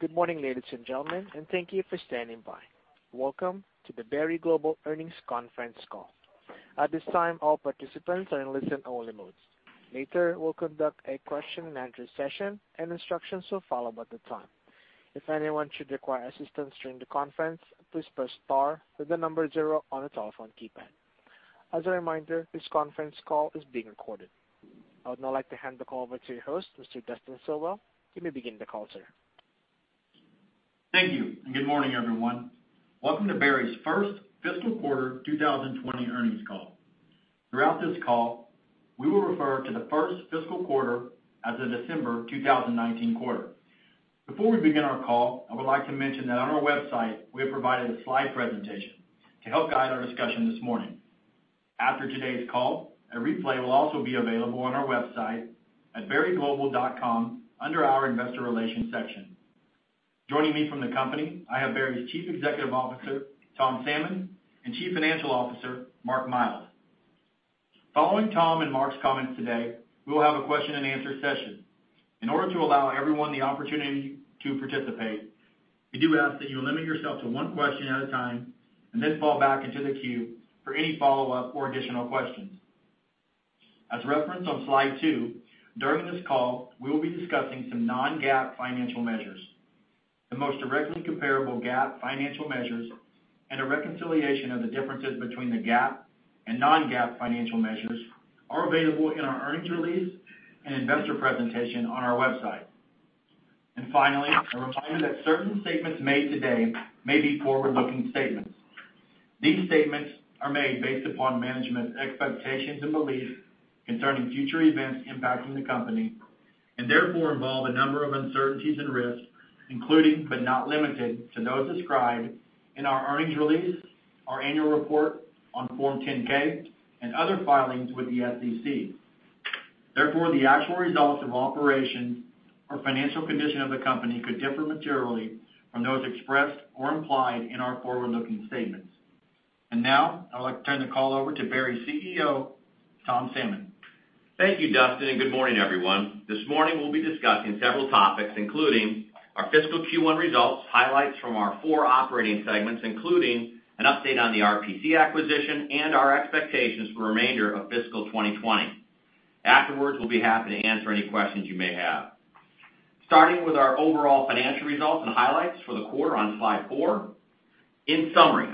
Good morning, ladies and gentlemen. Thank you for standing by. Welcome to the Berry Global Earnings Conference Call. At this time, all participants are in listen-only mode. Later, we'll conduct a question and answer session. Instructions will follow about the time. If anyone should require assistance during the conference, please press star then the number zero on your telephone keypad. As a reminder, this conference call is being recorded. I would now like to hand the call over to your host, Mr. Dustin Stilwell. You may begin the call, sir. Thank you, and good morning, everyone. Welcome to Berry's fiscal Q1 2020 Earnings Call. Throughout this call, we will refer to the Q1 as the December 2019 quarter. Before we begin our call, I would like to mention that on our website, we have provided a slide presentation to help guide our discussion this morning. After today's call, a replay will also be available on our website at berryglobal.com under our investor relations section. Joining me from the company, I have Berry's Chief Executive Officer, Tom Salmon, and Chief Financial Officer, Mark Miles. Following Tom and Mark's comments today, we will have a question and answer session. In order to allow everyone the opportunity to participate, we do ask that you limit yourself to one question at a time, and then fall back into the queue for any follow-up or additional questions. As referenced on slide two, during this call, we will be discussing some non-GAAP financial measures. The most directly comparable GAAP financial measures, and a reconciliation of the differences between the GAAP and non-GAAP financial measures are available in our earnings release and investor presentation on our website. Finally, a reminder that certain statements made today may be forward-looking statements. These statements are made based upon management's expectations and belief concerning future events impacting the company, and therefore, involve a number of uncertainties and risks, including but not limited to those described in our earnings release, our annual report on Form 10-K, and other filings with the SEC. Therefore, the actual results of operations or financial condition of the company could differ materially from those expressed or implied in our forward-looking statements. Now, I would like to turn the call over to Berry's CEO, Tom Salmon. Thank you, Dustin, and good morning, everyone. This morning we'll be discussing several topics, including our fiscal Q1 results, highlights from our four operating segments, including an update on the RPC acquisition and our expectations for the remainder of fiscal 2020. Afterwards, we'll be happy to answer any questions you may have. Starting with our overall financial results and highlights for the quarter on slide four. In summary,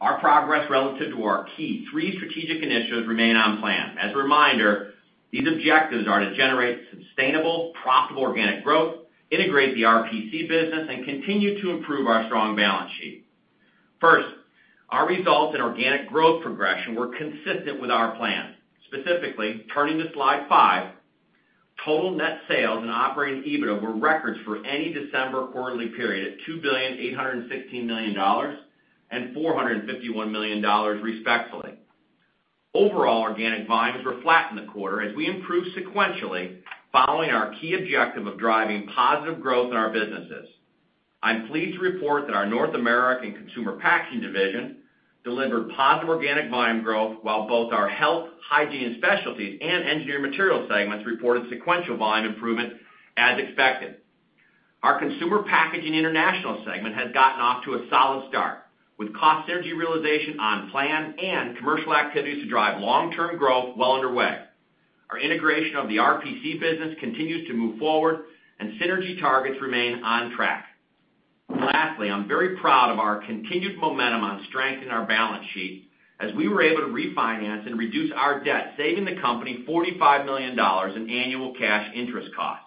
our progress relative to our key three strategic initiatives remain on plan. As a reminder, these objectives are to generate sustainable, profitable organic growth, integrate the RPC business, and continue to improve our strong balance sheet. Our results in organic growth progression were consistent with our plan. Specifically, turning to slide five, total net sales and operating EBITDA were records for any December quarterly period at $2,816,000,000 and $451 million respectively. Overall organic volumes were flat in the quarter as we improved sequentially following our key objective of driving positive growth in our businesses. I'm pleased to report that our North American Consumer Packaging division delivered positive organic volume growth while both our Health, Hygiene & Specialties and Engineered Materials segments reported sequential volume improvement as expected. Our Consumer Packaging International segment has gotten off to a solid start, with cost synergy realization on plan and commercial activities to drive long-term growth well underway. Our integration of the RPC business continues to move forward, and synergy targets remain on track. Lastly, I'm very proud of our continued momentum on strengthening our balance sheet as we were able to refinance and reduce our debt, saving the company $45 million in annual cash interest costs.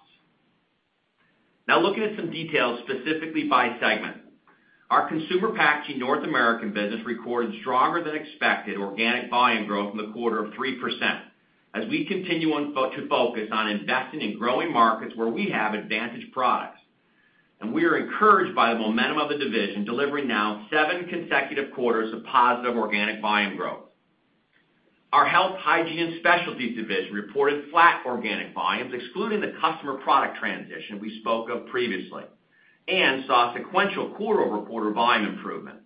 Looking at some details specifically by segment. Our Consumer Packaging North America business recorded stronger than expected organic volume growth in the quarter of 3% as we continue to focus on investing in growing markets where we have advantage products. We are encouraged by the momentum of the division delivering now seven consecutive quarters of positive organic volume growth. Our Health, Hygiene & Specialties division reported flat organic volumes excluding the customer product transition we spoke of previously and saw a sequential quarter-over-quarter volume improvement.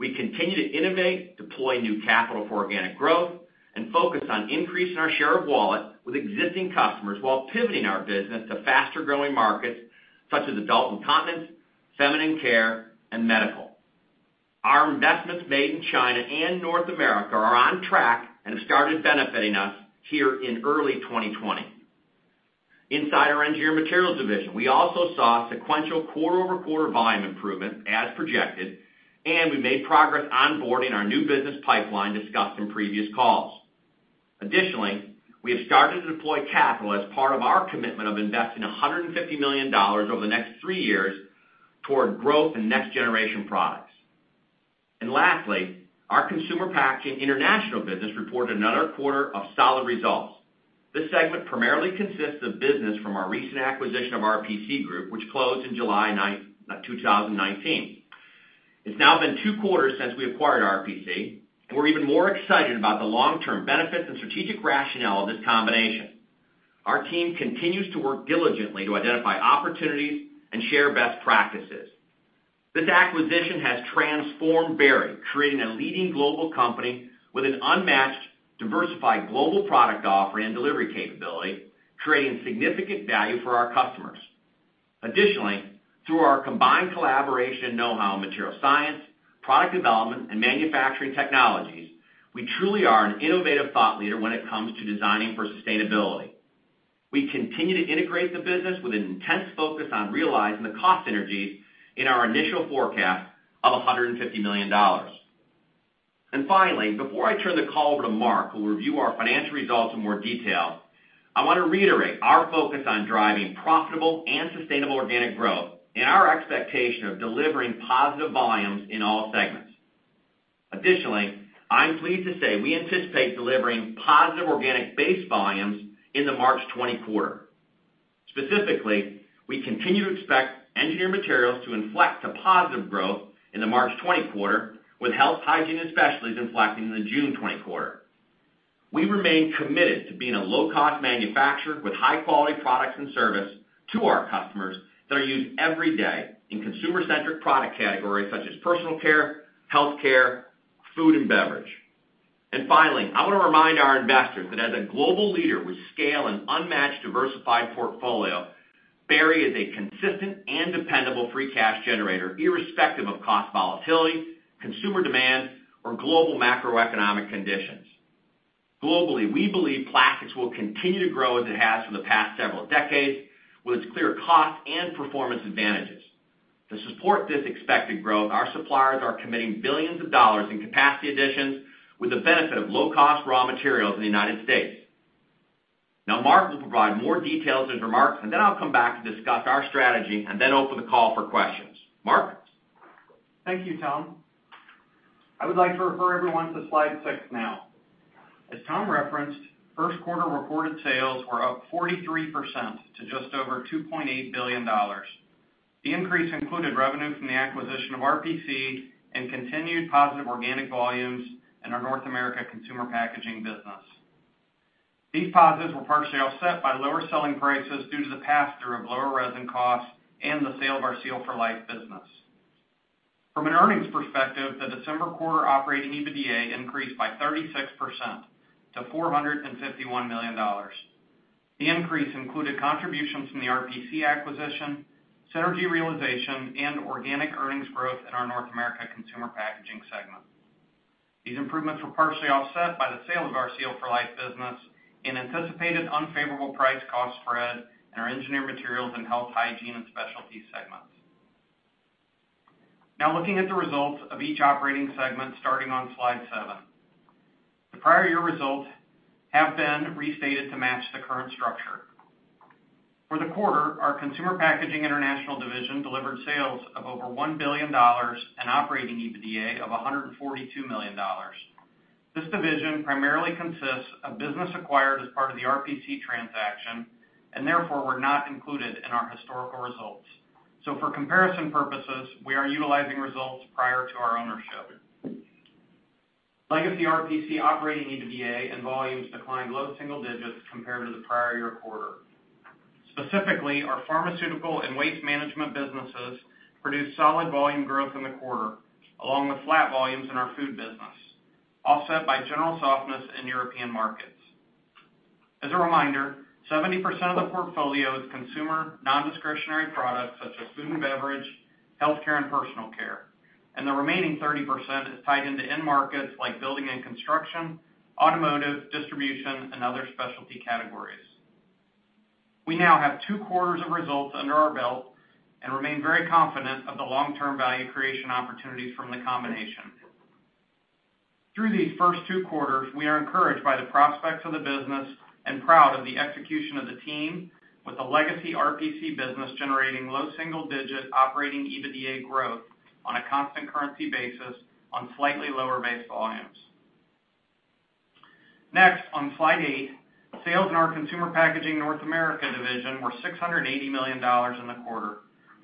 We continue to innovate, deploy new capital for organic growth, and focus on increasing our share of wallet with existing customers while pivoting our business to faster-growing markets such as adult incontinence, feminine care, and medical. Our investments made in China and North America are on track and have started benefiting us here in early 2020. Inside our Engineered Materials division, we also saw sequential quarter-over-quarter volume improvement as projected. We made progress onboarding our new business pipeline discussed in previous calls. Additionally, we have started to deploy capital as part of our commitment of investing $150 million over the next three years toward growth in next-generation products. Lastly, our Consumer Packaging International business reported another quarter of solid results. This segment primarily consists of business from our recent acquisition of RPC Group, which closed in July 9th, 2019. It's now been two quarters since we acquired RPC. We're even more excited about the long-term benefits and strategic rationale of this combination. Our team continues to work diligently to identify opportunities and share best practices. This acquisition has transformed Berry, creating a leading global company with an unmatched, diversified global product offering and delivery capability, creating significant value for our customers. Additionally, through our combined collaboration knowhow in material science, product development, and manufacturing technologies, we truly are an innovative thought leader when it comes to designing for sustainability. We continue to integrate the business with an intense focus on realizing the cost synergies in our initial forecast of $150 million. Finally, before I turn the call over to Mark, who will review our financial results in more detail, I want to reiterate our focus on driving profitable and sustainable organic growth and our expectation of delivering positive volumes in all segments. Additionally, I am pleased to say we anticipate delivering positive organic base volumes in the March 2020 quarter. Specifically, we continue to expect Engineered Materials to inflect to positive growth in the March 2020 quarter, with Health, Hygiene & Specialties inflecting in the June 2020 quarter. We remain committed to being a low-cost manufacturer with high-quality products and service to our customers that are used every day in consumer-centric product categories such as personal care, healthcare, food, and beverage. Finally, I want to remind our investors that as a global leader with scale and unmatched diversified portfolio, Berry is a consistent and dependable free cash generator, irrespective of cost volatility, consumer demand, or global macroeconomic conditions. Globally, we believe plastics will continue to grow as it has for the past several decades, with its clear cost and performance advantages. To support this expected growth, our suppliers are committing billions of dollars in capacity additions with the benefit of low-cost raw materials in the United States. Mark will provide more details in his remarks, and then I'll come back to discuss our strategy and then open the call for questions. Mark? Thank you, Tom. I would like to refer everyone to slide six now. As Tom referenced, Q1 reported sales were up 43% to just over $2.8 billion. The increase included revenue from the acquisition of RPC and continued positive organic volumes in our Consumer Packaging North America business. These positives were partially offset by lower selling prices due to the pass-through of lower resin costs and the sale of our Seal for Life business. From an earnings perspective, the December quarter operating EBITDA increased by 36% to $451 million. The increase included contributions from the RPC acquisition, synergy realization, and organic earnings growth in our Consumer Packaging North America segment. These improvements were partially offset by the sale of our Seal for Life business and anticipated unfavorable price cost spread in our Engineered Materials and Health, Hygiene & Specialties segments. Looking at the results of each operating segment, starting on slide seven. The prior year results have been restated to match the current structure. For the quarter, our Consumer Packaging International division delivered sales of over $1 billion and operating EBITDA of $142 million. This division primarily consists of business acquired as part of the RPC transaction, and therefore were not included in our historical results. For comparison purposes, we are utilizing results prior to our ownership. Legacy RPC operating EBITDA and volumes declined low single digits compared to the prior year quarter. Specifically, our pharmaceutical and waste management businesses produced solid volume growth in the quarter, along with flat volumes in our food business, offset by general softness in European markets. As a reminder, 70% of the portfolio is consumer non-discretionary products such as food and beverage, healthcare, and personal care, and the remaining 30% is tied into end markets like building and construction, automotive, distribution, and other specialty categories. We now have two quarters of results under our belt and remain very confident of the long-term value creation opportunities from the combination. Through these first two quarters, we are encouraged by the prospects of the business and proud of the execution of the team, with the legacy RPC business generating low single-digit operating EBITDA growth on a constant currency basis on slightly lower base volumes. Next, on slide eight, sales in our Consumer Packaging North America division were $680 million in the quarter,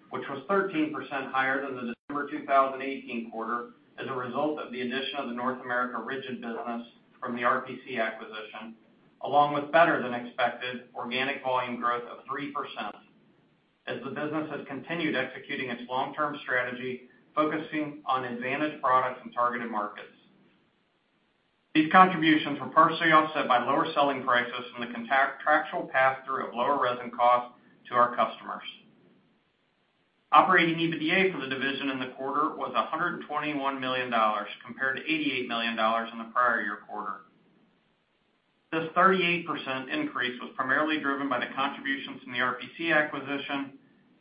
which was 13% higher than the December 2018 quarter as a result of the addition of the North America rigid business from the RPC acquisition, along with better-than-expected organic volume growth of 3% as the business has continued executing its long-term strategy, focusing on advantage products and targeted markets. These contributions were partially offset by lower selling prices from the contractual pass-through of lower resin costs to our customers. Operating EBITDA for the division in the quarter was $121 million, compared to $88 million in the prior year quarter. This 38% increase was primarily driven by the contributions from the RPC acquisition,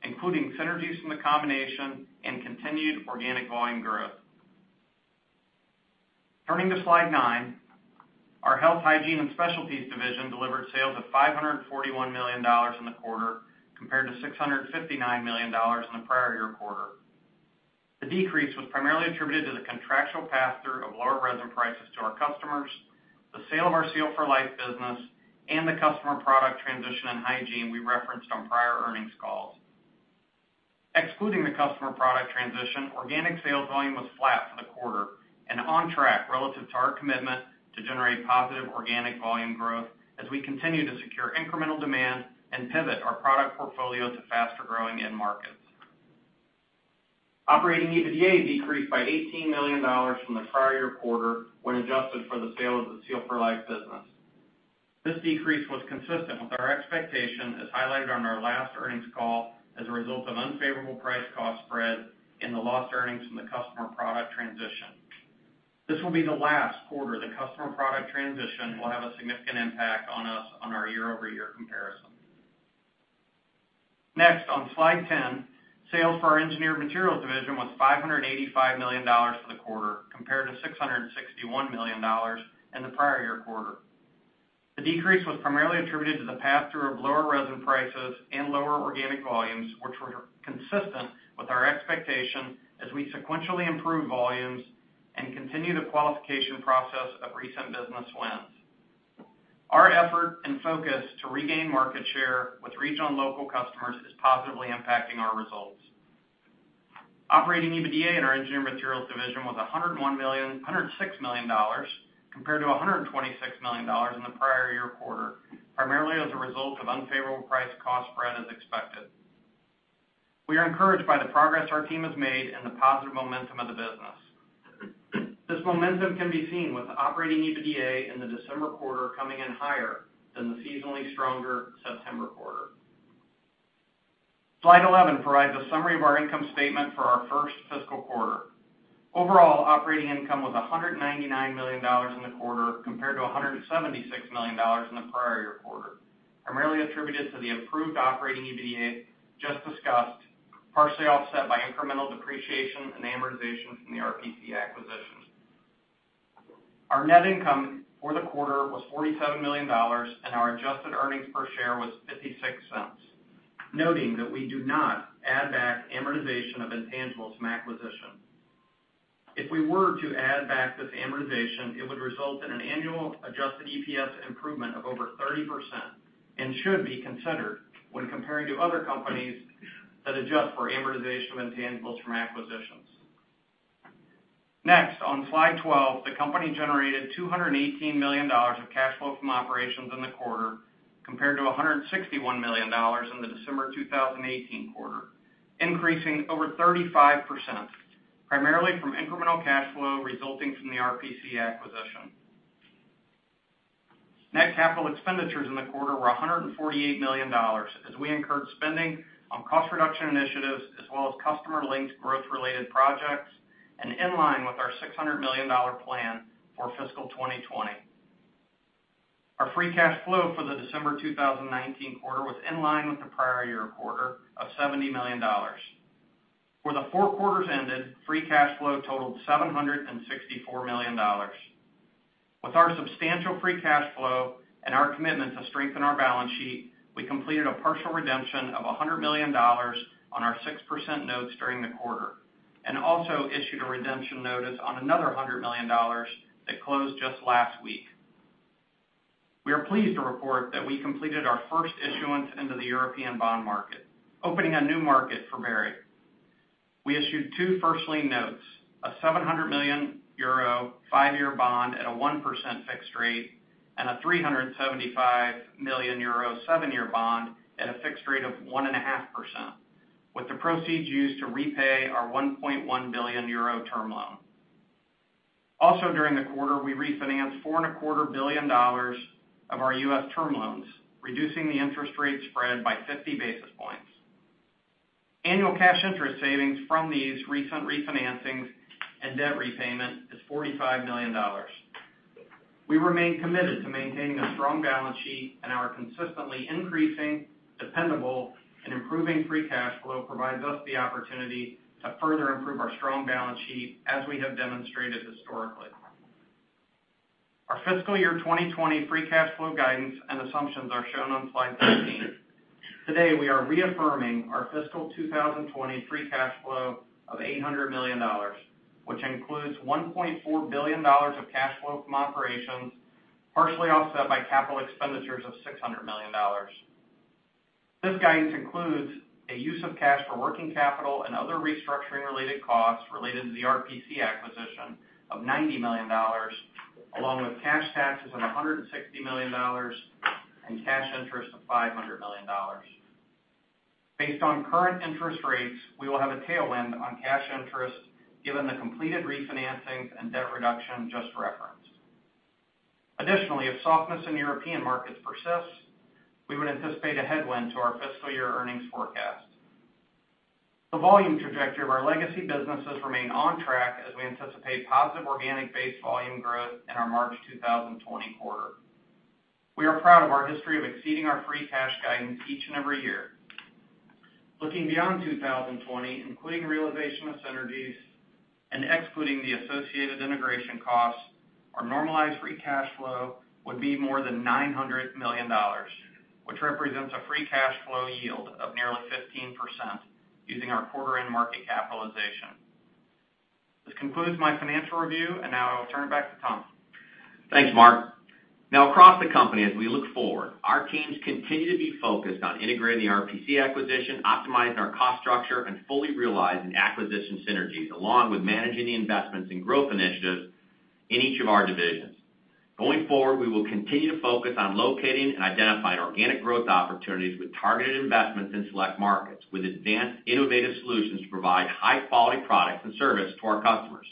including synergies from the combination and continued organic volume growth. Turning to slide nine, our Health, Hygiene & Specialties division delivered sales of $541 million in the quarter, compared to $659 million in the prior year quarter. The decrease was primarily attributed to the contractual pass-through of lower resin prices to our customers, the sale of our Seal for Life business, and the customer product transition in Hygiene we referenced on prior earnings calls. Excluding the customer product transition, organic sales volume was flat for the quarter. On track relative to our commitment to generate positive organic volume growth as we continue to secure incremental demand and pivot our product portfolio to faster-growing end markets. Operating EBITDA decreased by $18 million from the prior quarter when adjusted for the sale of the Seal for Life business. This decrease was consistent with our expectation, as highlighted on our last earnings call, as a result of unfavorable price-cost spread and the lost earnings from the customer product transition. This will be the last quarter the customer product transition will have a significant impact on our year-over-year comparison. Next, on slide 10, sales for our Engineered Materials was $585 million for the quarter, compared to $661 million in the prior-year quarter. The decrease was primarily attributed to the pass-through of lower resin prices and lower organic volumes, which were consistent with our expectation as we sequentially improve volumes and continue the qualification process of recent business wins. Our effort and focus to regain market share with regional and local customers is positively impacting our results. Operating EBITDA in our Engineered Materials division was $106 million compared to $126 million in the prior-year quarter, primarily as a result of unfavorable price-cost spread as expected. We are encouraged by the progress our team has made and the positive momentum of the business. This momentum can be seen with operating EBITDA in the December quarter coming in higher than the seasonally stronger September quarter. Slide 11 provides a summary of our income statement for our Q1. Overall operating income was $199 million in the quarter, compared to $176 million in the prior quarter, primarily attributed to the improved operating EBITDA just discussed, partially offset by incremental depreciation and amortization from the RPC acquisition. Our net income for the quarter was $47 million, and our adjusted earnings per share was $0.56, noting that we do not add back amortization of intangibles from acquisition. If we were to add back this amortization, it would result in an annual adjusted EPS improvement of over 30% and should be considered when comparing to other companies that adjust for amortization of intangibles from acquisitions. On slide 12, the company generated $218 million of cash flow from operations in the quarter, compared to $161 million in the December 2018 quarter, increasing over 35%, primarily from incremental cash flow resulting from the RPC acquisition. Net capital expenditures in the quarter were $148 million as we incurred spending on cost reduction initiatives as well as customer-linked growth-related projects and in line with our $600 million plan for fiscal 2020. Our free cash flow for the December 2019 quarter was in line with the prior year quarter of $70 million. For the four quarters ended, free cash flow totaled $764 million. With our substantial free cash flow and our commitment to strengthen our balance sheet, we completed a partial redemption of $100 million on our 6% notes during the quarter, and also issued a redemption notice on another $100 million that closed just last week. We are pleased to report that we completed our first issuance into the European bond market, opening a new market for Berry. We issued two first lien notes: a 700 million euro five-year bond at a 1% fixed rate and a 375 million euro seven-year bond at a fixed rate of 1.5%, with the proceeds used to repay our 1.1 billion euro term loan. Also, during the quarter, we refinanced $4.25 billion of our U.S. term loans, reducing the interest rate spread by 50 basis points. Annual cash interest savings from these recent refinancings and debt repayment is $45 million. We remain committed to maintaining a strong balance sheet, and our consistently increasing, dependable, and improving free cash flow provides us the opportunity to further improve our strong balance sheet as we have demonstrated historically. Our fiscal year 2020 free cash flow guidance and assumptions are shown on slide 13. Today, we are reaffirming our fiscal 2020 free cash flow of $800 million, which includes $1.4 billion of cash flow from operations, partially offset by capital expenditures of $600 million. This guidance includes a use of cash for working capital and other restructuring-related costs related to the RPC acquisition of $90 million, along with cash taxes of $160 million and cash interest of $500 million. Based on current interest rates, we will have a tailwind on cash interest given the completed refinancings and debt reduction just referenced. Additionally, if softness in European markets persists, we would anticipate a headwind to our fiscal year earnings forecast. The volume trajectory of our legacy businesses remain on track as we anticipate positive organic base volume growth in our March 2020 quarter. We are proud of our history of exceeding our free cash guidance each and every year. Looking beyond 2020, including realization of synergies and excluding the associated integration costs, our normalized free cash flow would be more than $900 million, which represents a free cash flow yield of nearly 15% using our quarter-end market capitalization. This concludes my financial review. Now I will turn it back to Tom. Thanks, Mark. Now across the company, as we look forward, our teams continue to be focused on integrating the RPC acquisition, optimizing our cost structure, and fully realizing acquisition synergies, along with managing the investments and growth initiatives in each of our divisions. Going forward, we will continue to focus on locating and identifying organic growth opportunities with targeted investments in select markets, with advanced innovative solutions to provide high-quality products and service to our customers.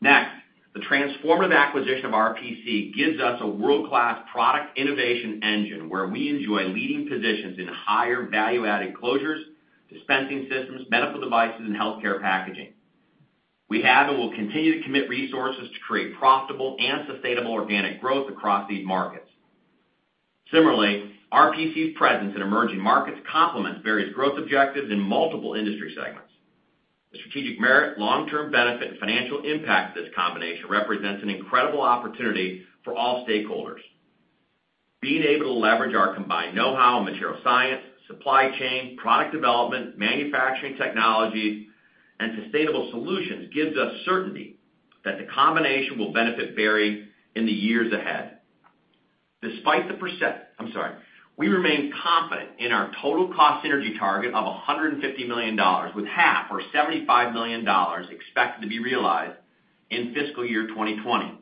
Next, the transformative acquisition of RPC gives us a world-class product innovation engine where we enjoy leading positions in higher value-added closures, dispensing systems, medical devices, and healthcare packaging. We have and will continue to commit resources to create profitable and sustainable organic growth across these markets. Similarly, RPC's presence in emerging markets complements various growth objectives in multiple industry segments. The strategic merit, long-term benefit, and financial impact of this combination represents an incredible opportunity for all stakeholders. Being able to leverage our combined knowhow in material science, supply chain, product development, manufacturing technology, and sustainable solutions gives us certainty that the combination will benefit Berry in the years ahead. We remain confident in our total cost synergy target of $150 million, with half or $75 million expected to be realized in fiscal year 2020.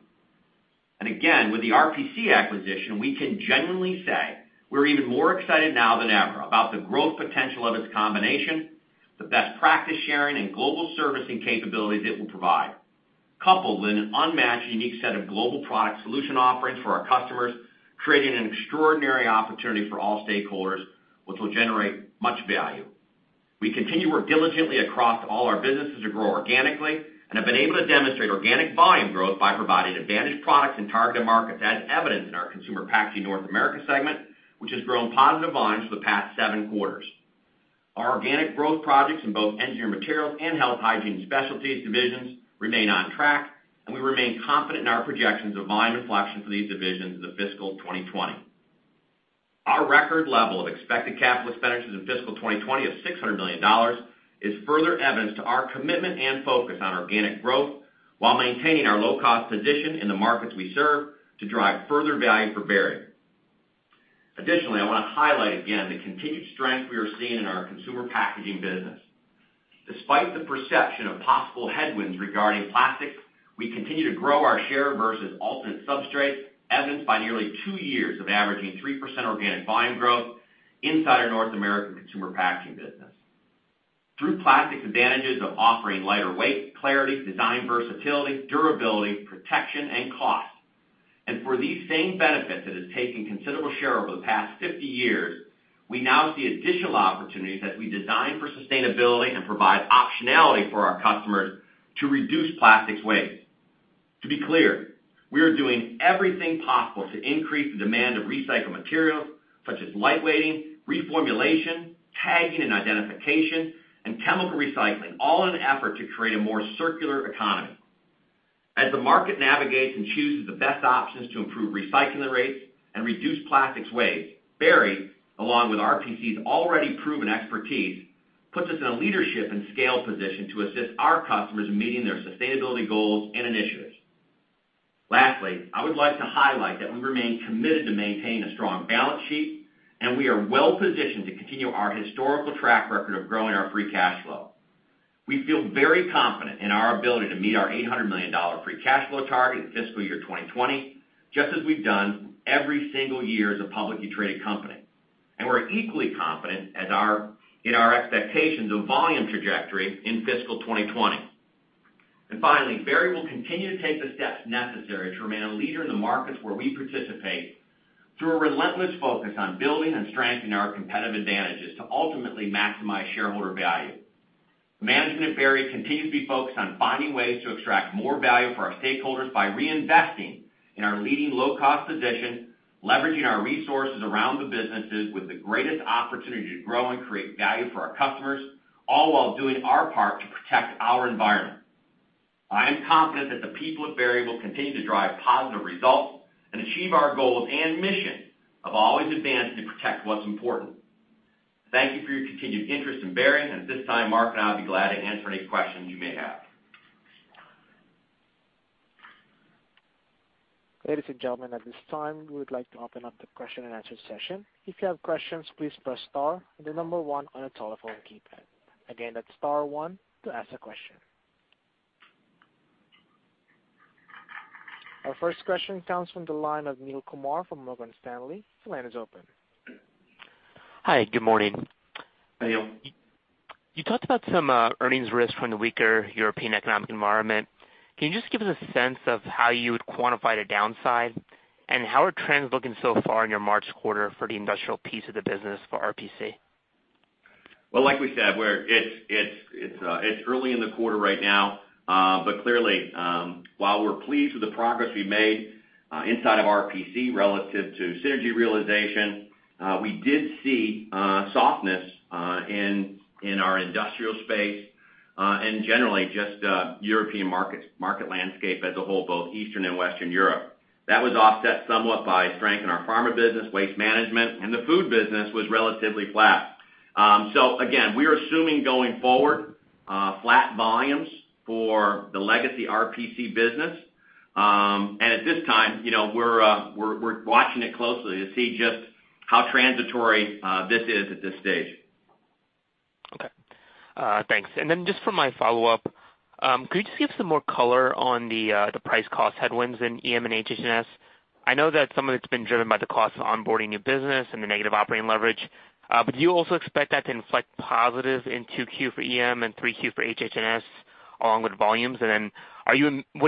Again, with the RPC acquisition, we can genuinely say we're even more excited now than ever about the growth potential of its combination, the best practice-sharing, and global servicing capabilities it will provide, coupled with an unmatched unique set of global product solution offerings for our customers, creating an extraordinary opportunity for all stakeholders, which will generate much value. We continue to work diligently across all our businesses to grow organically and have been able to demonstrate organic volume growth by providing advantage products in targeted markets as evidenced in our Consumer Packaging North America segment, which has grown positive volumes for the past seven quarters. Our organic growth projects in both Engineered Materials and Health, Hygiene & Specialties divisions remain on track, and we remain confident in our projections of volume reflection for these divisions into fiscal 2020. Our record level of expected capital expenditures in fiscal 2020 of $600 million is further evidence to our commitment and focus on organic growth while maintaining our low-cost position in the markets we serve to drive further value for Berry. Additionally, I want to highlight again the continued strength we are seeing in our Consumer Packaging business. Despite the perception of possible headwinds regarding plastics, we continue to grow our share versus alternate substrates, evidenced by nearly two years of averaging 3% organic volume growth inside our Consumer Packaging North America business. For these same benefits that has taken considerable share over the past 50 years, we now see additional opportunities as we design for sustainability and provide optionality for our customers to reduce plastics waste. To be clear, we are doing everything possible to increase the demand of recycled materials such as lightweighting, reformulation, tag and identification, and chemical recycling, all in an effort to create a more circular economy. As the market navigates and chooses the best options to improve recycling rates and reduce plastics waste, Berry, along with RPC's already proven expertise, puts us in a leadership and scale position to assist our customers in meeting their sustainability goals and initiatives. Lastly, I would like to highlight that we remain committed to maintaining a strong balance sheet, and we are well-positioned to continue our historical track record of growing our free cash flow. We feel very confident in our ability to meet our $800 million free cash flow target in fiscal year 2020, just as we've done every single year as a publicly traded company. We're equally confident in our expectations of volume trajectory in fiscal 2020. Finally, Berry will continue to take the steps necessary to remain a leader in the markets where we participate through a relentless focus on building and strengthening our competitive advantages to ultimately maximize shareholder value. Management at Berry continues to be focused on finding ways to extract more value for our stakeholders by reinvesting in our leading low-cost position, leveraging our resources around the businesses with the greatest opportunity to grow and create value for our customers, all while doing our part to protect our environment. I am confident that the people at Berry will continue to drive positive results and achieve our goals and mission of always advancing to protect what's important. Thank you for your continued interest in Berry, and at this time, Mark and I will be glad to answer any questions you may have. Ladies and gentlemen, at this time, we would like to open up the question and answer session. If you have questions, please press star and the number one on your telephone keypad. Again, that's star one to ask a question. Our first question comes from the line of Neel Kumar from Morgan Stanley. Your line is open. Hi, good morning. Hey, Neel. You talked about some earnings risk from the weaker European economic environment. Can you just give us a sense of how you would quantify the downside? How are trends looking so far in your March quarter for the industrial piece of the business for RPC? Well, like we said, it's early in the quarter right now. Clearly, while we're pleased with the progress we made inside of RPC relative to synergy realization, we did see softness in our industrial space, and generally just European market landscape as a whole, both Eastern and Western Europe. That was offset somewhat by strength in our pharma business, waste management, and the food business was relatively flat. Again, we are assuming going forward flat volumes for the legacy RPC business. At this time, we're watching it closely to see just how transitory this is at this stage. Okay. Thanks. Just for my follow-up, could you just give some more color on the price cost headwinds in EM and HH&S? I know that some of it's been driven by the cost of onboarding new business and the negative operating leverage. Do you also expect that to inflect positive in Q2 for EM and Q3 for HH&S along with volumes? What are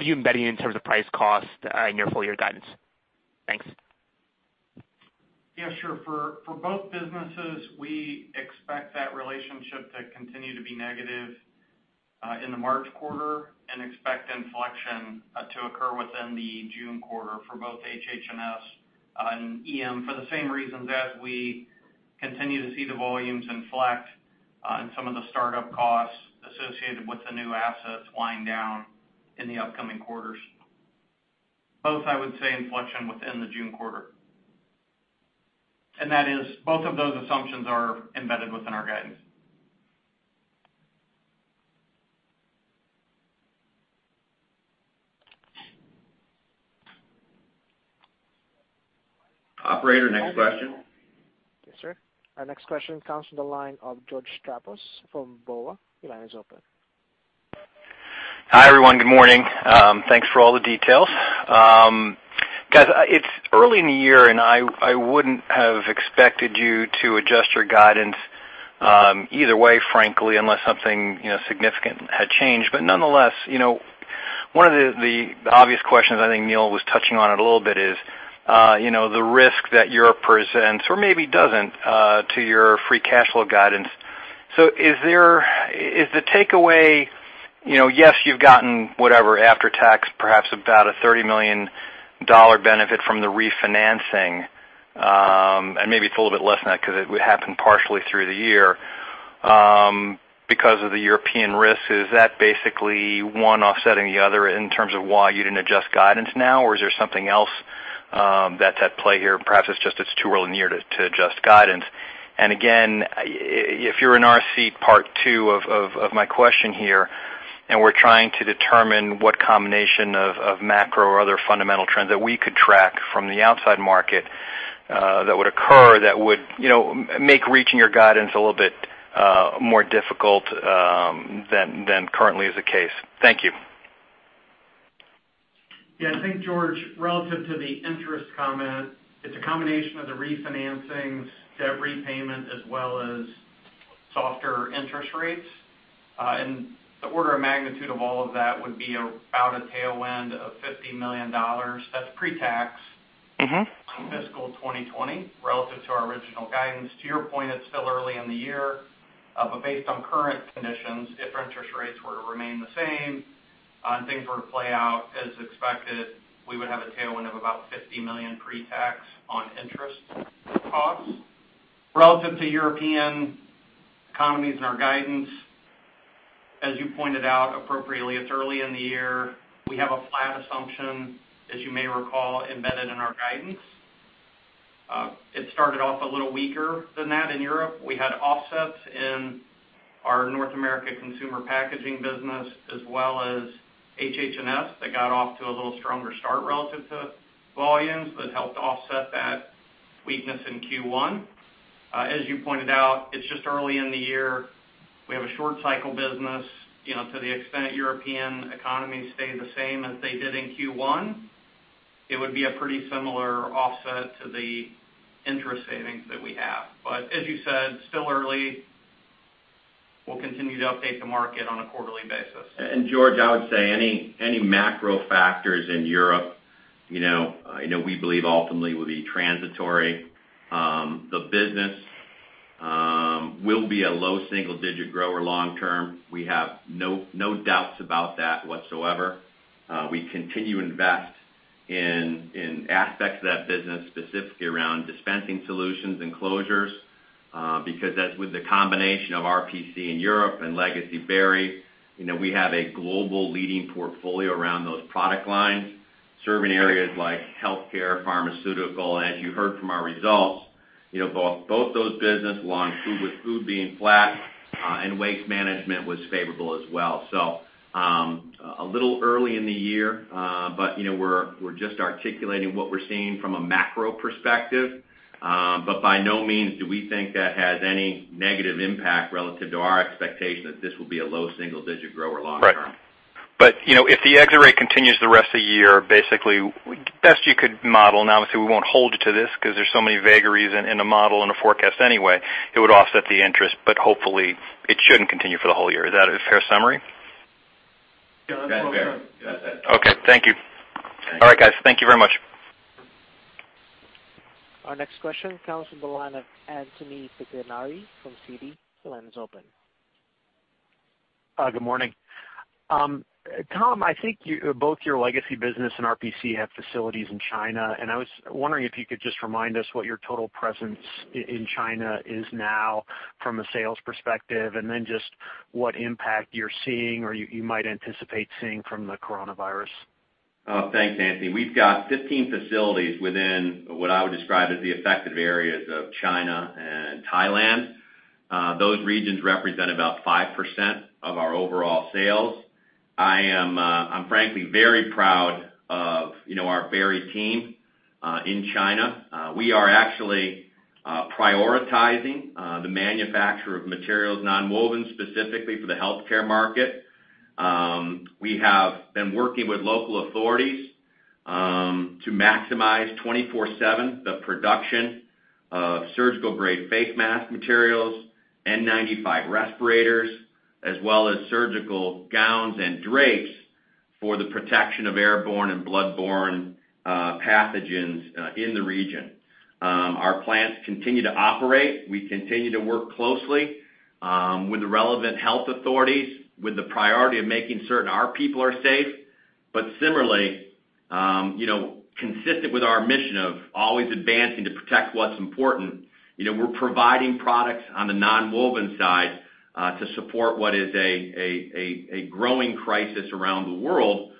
you embedding in terms of price cost in your full year guidance? Thanks. Yeah, sure. For both businesses, we expect that relationship to continue to be negative in the March quarter and expect inflection to occur within the June quarter for both HH&S and EM for the same reasons as we continue to see the volumes inflect and some of the startup costs associated with the new assets winding down in the upcoming quarters. Both, I would say, inflection within the June quarter. That is, both of those assumptions are embedded within our guidance. Operator, next question. Yes, sir. Our next question comes from the line of George Staphos from Bank of America. Your line is open. Hi, everyone. Good morning. Thanks for all the details. Guys, it's early in the year, I wouldn't have expected you to adjust your guidance either way, frankly, unless something significant had changed. Nonetheless, one of the obvious questions, I think Neel was touching on it a little bit, is the risk that Europe presents or maybe doesn't to your free cash flow guidance. Is the takeaway, yes, you've gotten whatever after-tax, perhaps about a $30 million benefit from the refinancing, and maybe it's a little bit less than that because it would happen partially through the year. Because of the European risk, is that basically one offsetting the other in terms of why you didn't adjust guidance now, or is there something else that's at play here? Perhaps it's just it's too early in the year to adjust guidance. Again, if you're in our seat, part two of my question here, and we're trying to determine what combination of macro or other fundamental trends that we could track from the outside market that would occur that would make reaching your guidance a little bit more difficult than currently is the case. Thank you. Yeah, I think, George, relative to the interest comment, it's a combination of the refinancings, debt repayment, as well as softer interest rates. The order of magnitude of all of that would be about a tailwind of $50 million. That's pre-tax. In fiscal 2020 relative to our original guidance. To your point, it's still early in the year. Based on current conditions, if interest rates were to remain the same and things were to play out as expected, we would have a tailwind of about $50 million pre-tax on interest costs. Relative to European economies and our guidance, as you pointed out appropriately, it's early in the year. We have a flat assumption, as you may recall, embedded in our guidance. It started off a little weaker than that in Europe. We had offsets in our North America consumer packaging business, as well as HH&S that got off to a little stronger start relative to volumes that helped offset that weakness in Q1. As you pointed out, it's just early in the year. We have a short cycle business. To the extent European economies stay the same as they did in Q1, it would be a pretty similar offset to the interest savings that we have. As you said, still early. We'll continue to update the market on a quarterly basis. George, I would say any macro factors in Europe, we believe ultimately will be transitory. The business will be a low single digit grower long term. We have no doubts about that whatsoever. We continue to invest in aspects of that business, specifically around dispensing solutions and closures. Because as with the combination of RPC in Europe and legacy Berry, we have a global leading portfolio around those product lines, serving areas like healthcare, pharmaceutical. As you heard from our results, both those business along with food being flat and waste management was favorable as well. A little early in the year, but we're just articulating what we're seeing from a macro perspective. By no means do we think that has any negative impact relative to our expectation that this will be a low single digit grower long term. Right. If the exit rate continues the rest of the year, basically, best you could model, and obviously we won't hold you to this because there's so many vagaries in a model, in a forecast anyway, it would offset the interest, but hopefully it shouldn't continue for the whole year. Is that a fair summary? Yeah. That's fair. Okay, thank you. Thanks. All right, guys. Thank you very much. Our next question comes from the line of Anthony Pettinari from Citi. Your line is open. Good morning. Tom, I think both your legacy business and RPC have facilities in China, and I was wondering if you could just remind us what your total presence in China is now from a sales perspective, and then just what impact you're seeing or you might anticipate seeing from the coronavirus? Thanks, Anthony. We've got 15 facilities within what I would describe as the affected areas of China and Thailand. Those regions represent about 5% of our overall sales. I'm frankly very proud of our Berry team in China. We are actually prioritizing the manufacture of materials, nonwoven specifically for the healthcare market. We have been working with local authorities to maximize 24/7 the production of surgical-grade face mask materials, N95 respirators, as well as surgical gowns and drapes for the protection of airborne and bloodborne pathogens in the region. Our plants continue to operate. We continue to work closely with the relevant health authorities, with the priority of making certain our people are safe. Similarly, consistent with our mission of always advancing to protect what's important, we're providing products on the nonwoven side to support what is a growing crisis around the world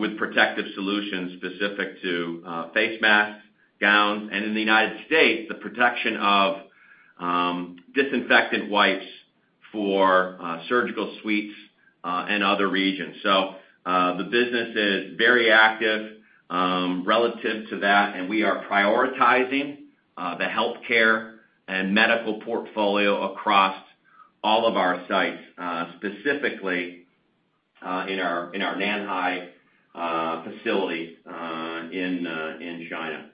with protective solutions specific to face masks, gowns, and in the U.S., the protection of disinfected wipes for surgical suites, and other regions. The business is very active relative to that, and we are prioritizing the healthcare and medical portfolio across all of our sites, specifically in our Nanhai facility in China.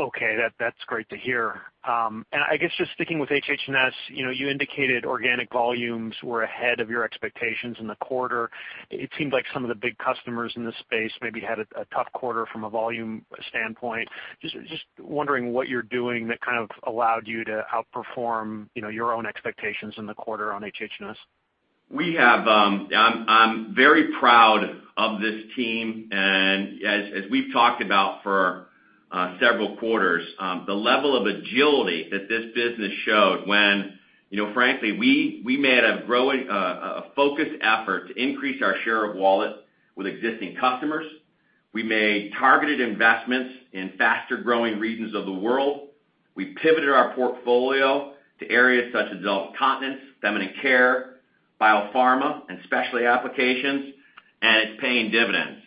Okay. That's great to hear. I guess just sticking with HH&S, you indicated organic volumes were ahead of your expectations in the quarter. It seemed like some of the big customers in this space maybe had a tough quarter from a volume standpoint. Just wondering what you're doing that kind of allowed you to outperform your own expectations in the quarter on HH&S. I'm very proud of this team, and as we've talked about for several quarters, the level of agility that this business showed when frankly, we made a focused effort to increase our share of wallet with existing customers. We made targeted investments in faster-growing regions of the world. We pivoted our portfolio to areas such as adult continence, feminine care, biopharma, and specialty applications, and it's paying dividends.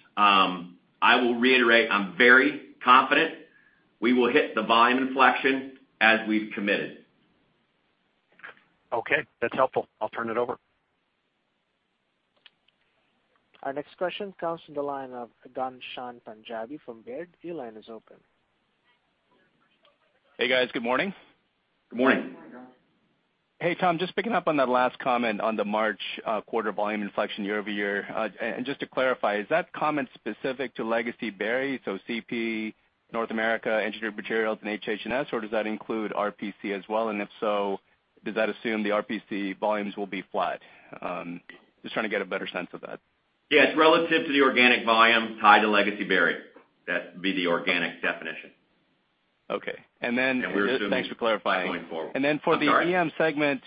I will reiterate, I'm very confident we will hit the volume inflection as we've committed. Okay. That's helpful. I'll turn it over. Our next question comes from the line of Ghansham Panjabi from Baird. Your line is open. Hey, guys. Good morning. Good morning. Hey, Tom, just picking up on that last comment on the March quarter volume inflection year-over-year. Just to clarify, is that comment specific to legacy Berry, so CP, North America, Engineered Materials, and HH&S, or does that include RPC as well? If so, does that assume the RPC volumes will be flat? Just trying to get a better sense of that. Yes. Relative to the organic volume tied to legacy Berry. That would be the organic definition. Okay. we're assuming- Thanks for clarifying. -going forward. I'm sorry. For the EM segment,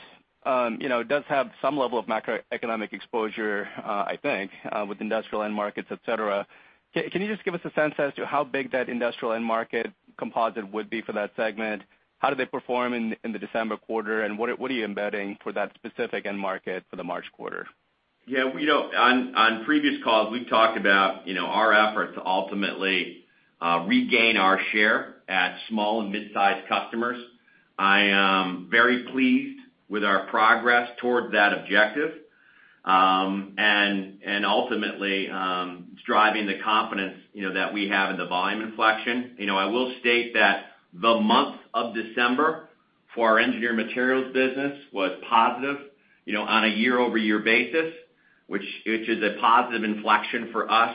it does have some level of macroeconomic exposure, I think, with industrial end markets, et cetera. Can you just give us a sense as to how big that industrial end market composite would be for that segment? How did they perform in the December quarter? What are you embedding for that specific end market for the March quarter? Yeah. On previous calls, we've talked about our effort to ultimately regain our share at small and mid-size customers. I am very pleased with our progress towards that objective, and ultimately, it's driving the confidence that we have in the volume inflection. I will state that the month of December for our Engineered Materials business was positive on a year-over-year basis, which is a positive inflection for us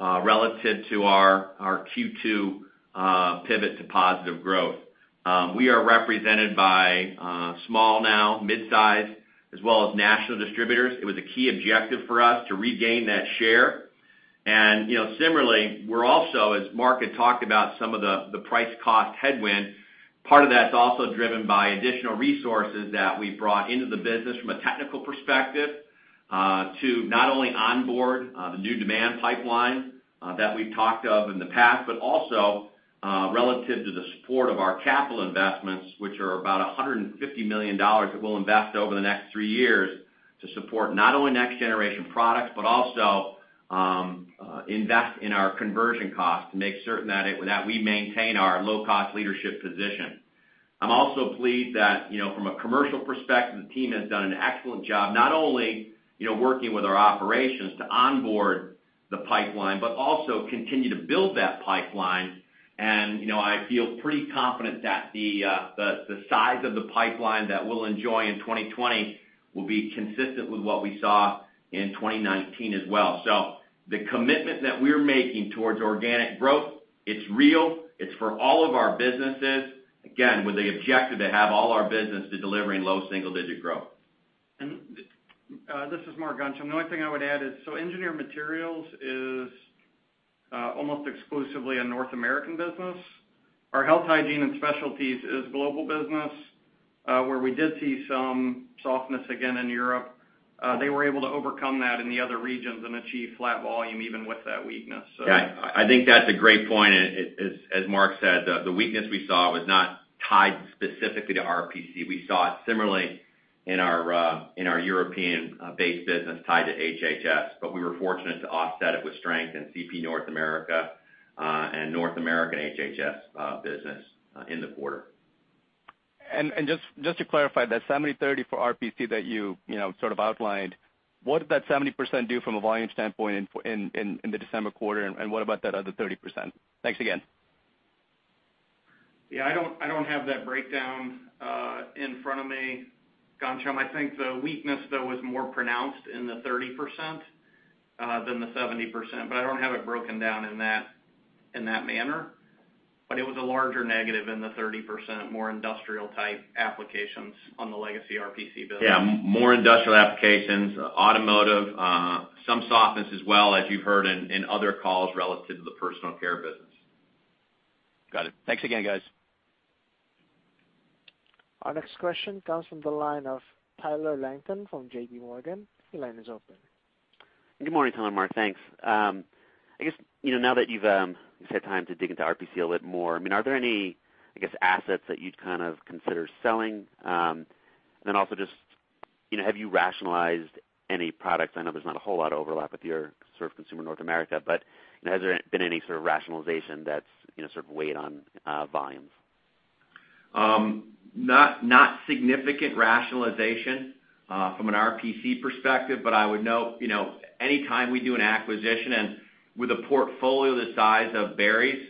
relative to our Q2 pivot to positive growth. We are represented by small now, mid-size, as well as national distributors. It was a key objective for us to regain that share. Similarly, we're also, as Mark had talked about some of the price cost headwind, part of that's also driven by additional resources that we've brought into the business from a technical perspective, to not only onboard the new demand pipeline that we've talked of in the past, but also relative to the support of our capital investments, which are about $150 million that we'll invest over the next three years to support not only next generation products, but also invest in our conversion costs to make certain that we maintain our low-cost leadership position. I'm also pleased that from a commercial perspective, the team has done an excellent job, not only working with our operations to onboard the pipeline, but also continue to build that pipeline. I feel pretty confident that the size of the pipeline that we'll enjoy in 2020 will be consistent with what we saw in 2019 as well. The commitment that we're making towards organic growth, it's real. It's for all of our businesses, again, with the objective to have all our businesses to delivering low single-digit growth. This is Mark Miles. The only thing I would add is, Engineered Materials is almost exclusively a North American business. Our Health, Hygiene & Specialties is global business, where we did see some softness again in Europe. They were able to overcome that in the other regions and achieve flat volume even with that weakness. I think that's a great point, as Mark said, the weakness we saw was not tied specifically to RPC. We saw it similarly in our European-based business tied to HH&S, but we were fortunate to offset it with strength in CP North America, and North American HH&S business in the quarter. Just to clarify, that 70/30 for RPC that you sort of outlined, what did that 70% do from a volume standpoint in the December quarter, what about that other 30%? Thanks again. Yeah, I don't have that breakdown in front of me, Ghansham. I think the weakness, though, was more pronounced in the 30% than the 70%, but I don't have it broken down in that manner. It was a larger negative in the 30% more industrial type applications on the legacy RPC business. Yeah, more industrial applications, automotive, some softness as well as you've heard in other calls relative to the personal care business. Got it. Thanks again, guys. Our next question comes from the line of Tyler Langton from J.P. Morgan. Your line is open. Good morning, Tom, Mark. Thanks. I guess, now that you've had time to dig into RPC a little bit more, are there any, I guess, assets that you'd kind of consider selling? Also just, have you rationalized any products? I know there's not a whole lot of overlap with your sort of Consumer North America, but has there been any sort of rationalization that's sort of weighed on volumes? Not significant rationalization from an RPC perspective, but I would note, any time we do an acquisition and with a portfolio the size of Berry's,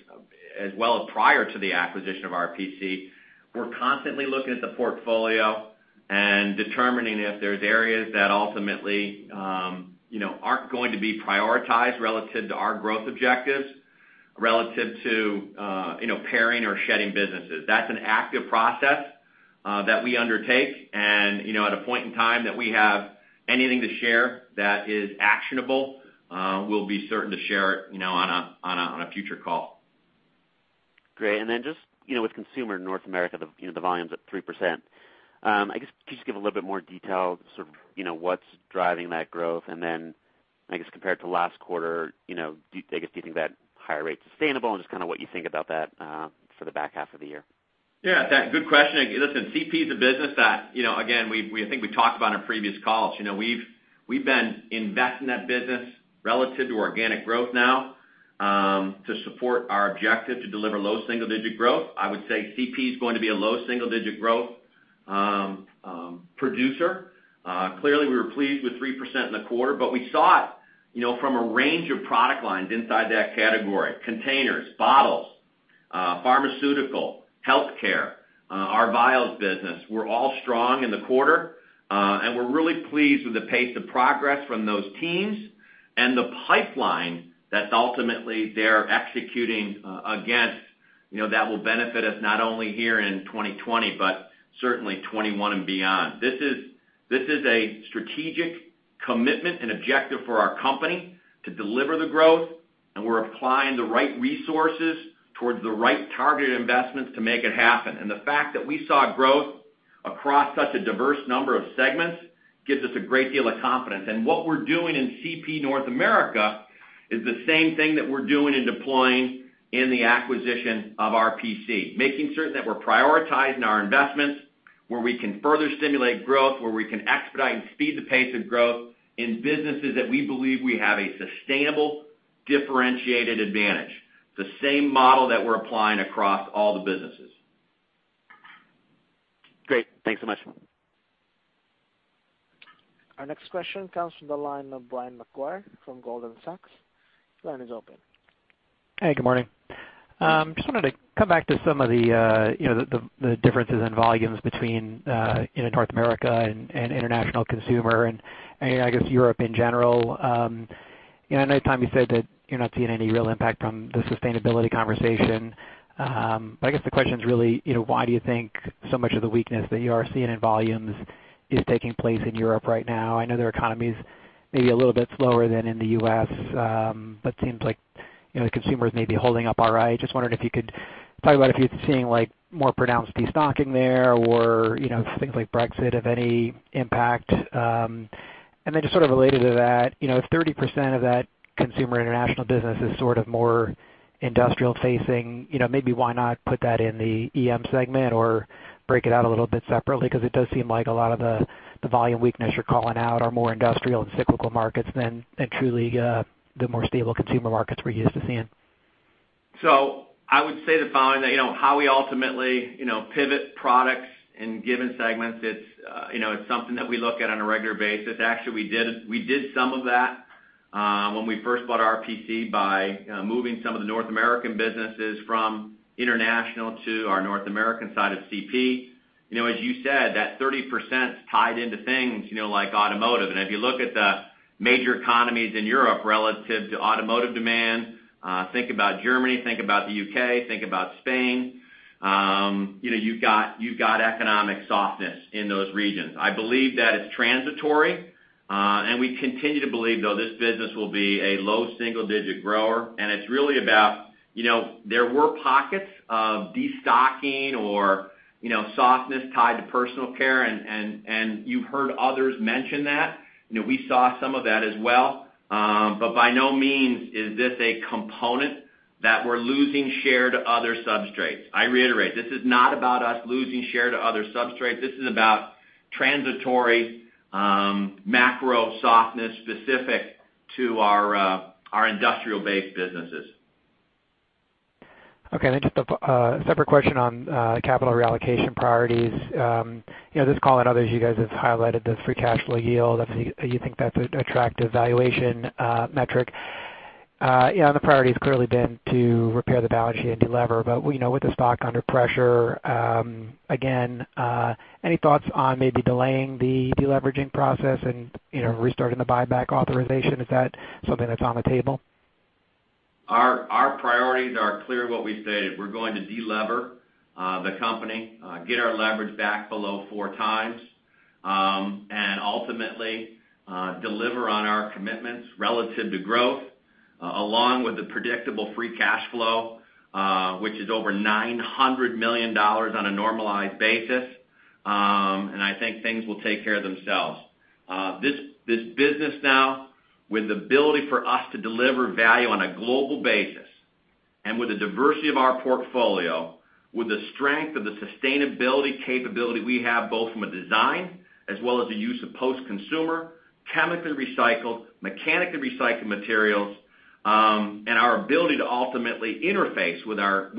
as well as prior to the acquisition of RPC, we're constantly looking at the portfolio and determining if there's areas that ultimately aren't going to be prioritized relative to our growth objectives, relative to pairing or shedding businesses. That's an active process that we undertake. At a point in time that we have anything to share that is actionable, we'll be certain to share it on a future call. Great. Just with Consumer Packaging North America, the volume's up 3%. I guess, could you just give a little bit more detail sort of what's driving that growth? I guess, compared to last quarter, do you think that higher rate's sustainable and just what you think about that for the H2 of the year? Yeah, good question. Listen, CP is a business that, again, I think we talked about in previous calls. We've been investing in that business relative to organic growth now, to support our objective to deliver low single-digit growth. I would say CP is going to be a low single-digit growth producer. Clearly, we were pleased with 3% in the quarter, but we saw it from a range of product lines inside that category. Containers, bottles, pharmaceutical, healthcare, our vials business, were all strong in the quarter. We're really pleased with the pace of progress from those teams and the pipeline that ultimately they're executing against, that will benefit us not only here in 2020, but certainly 2021 and beyond. This is a strategic commitment and objective for our company to deliver the growth, and we're applying the right resources towards the right targeted investments to make it happen. The fact that we saw growth across such a diverse number of segments gives us a great deal of confidence. What we're doing in CP North America is the same thing that we're doing in deploying in the acquisition of RPC, making certain that we're prioritizing our investments where we can further stimulate growth, where we can expedite and speed the pace of growth in businesses that we believe we have a sustainable, differentiated advantage. The same model that we're applying across all the businesses. Great. Thanks so much. Our next question comes from the line of Brian Maguire from Goldman Sachs. Your line is open. Hey, good morning. Just wanted to come back to some of the differences in volumes between North America and international consumer, and I guess Europe in general. I know, Tom, you said that you're not seeing any real impact from the sustainability conversation. I guess the question's really, why do you think so much of the weakness that you are seeing in volumes is taking place in Europe right now? I know their economy's maybe a little bit slower than in the U.S., but seems like the consumers may be holding up all right. Just wondering if you could talk about if you're seeing more pronounced de-stocking there or if things like Brexit have any impact. Just sort of related to that, if 30% of that consumer international business is sort of more industrial facing, maybe why not put that in the EM segment or break it out a little bit separately? It does seem like a lot of the volume weakness you're calling out are more industrial and cyclical markets than truly the more stable consumer markets we're used to seeing. I would say the following, that how we ultimately pivot products in given segments, it's something that we look at on a regular basis. Actually, we did some of that when we first bought RPC by moving some of the North American businesses from international to our North American side of CP. As you said, that 30%'s tied into things like automotive. If you look at the major economies in Europe relative to automotive demand, think about Germany, think about the U.K., think about Spain. You've got economic softness in those regions. I believe that it's transitory. We continue to believe, though, this business will be a low single-digit grower, and it's really about, there were pockets of destocking or softness tied to personal care, and you've heard others mention that. We saw some of that as well. By no means is this a component that we're losing share to other substrates. I reiterate, this is not about us losing share to other substrates. This is about transitory macro softness specific to our industrial-based businesses. Just a separate question on capital reallocation priorities. This call and others, you guys have highlighted the free cash flow yield. You think that's an attractive valuation metric. The priority has clearly been to repair the balance sheet and de-lever, with the stock under pressure, again, any thoughts on maybe delaying the de-leveraging process and restarting the buyback authorization? Is that something that's on the table? Our priorities are clear what we stated. We're going to de-lever the company, get our leverage back below 4x, and ultimately deliver on our commitments relative to growth, along with the predictable free cash flow, which is over $900 million on a normalized basis. I think things will take care of themselves. This business now, with the ability for us to deliver value on a global basis, and with the diversity of our portfolio, with the strength of the sustainability capability we have both from a design as well as the use of post-consumer, chemically recycled, mechanically recycled materials, and our ability to ultimately interface with our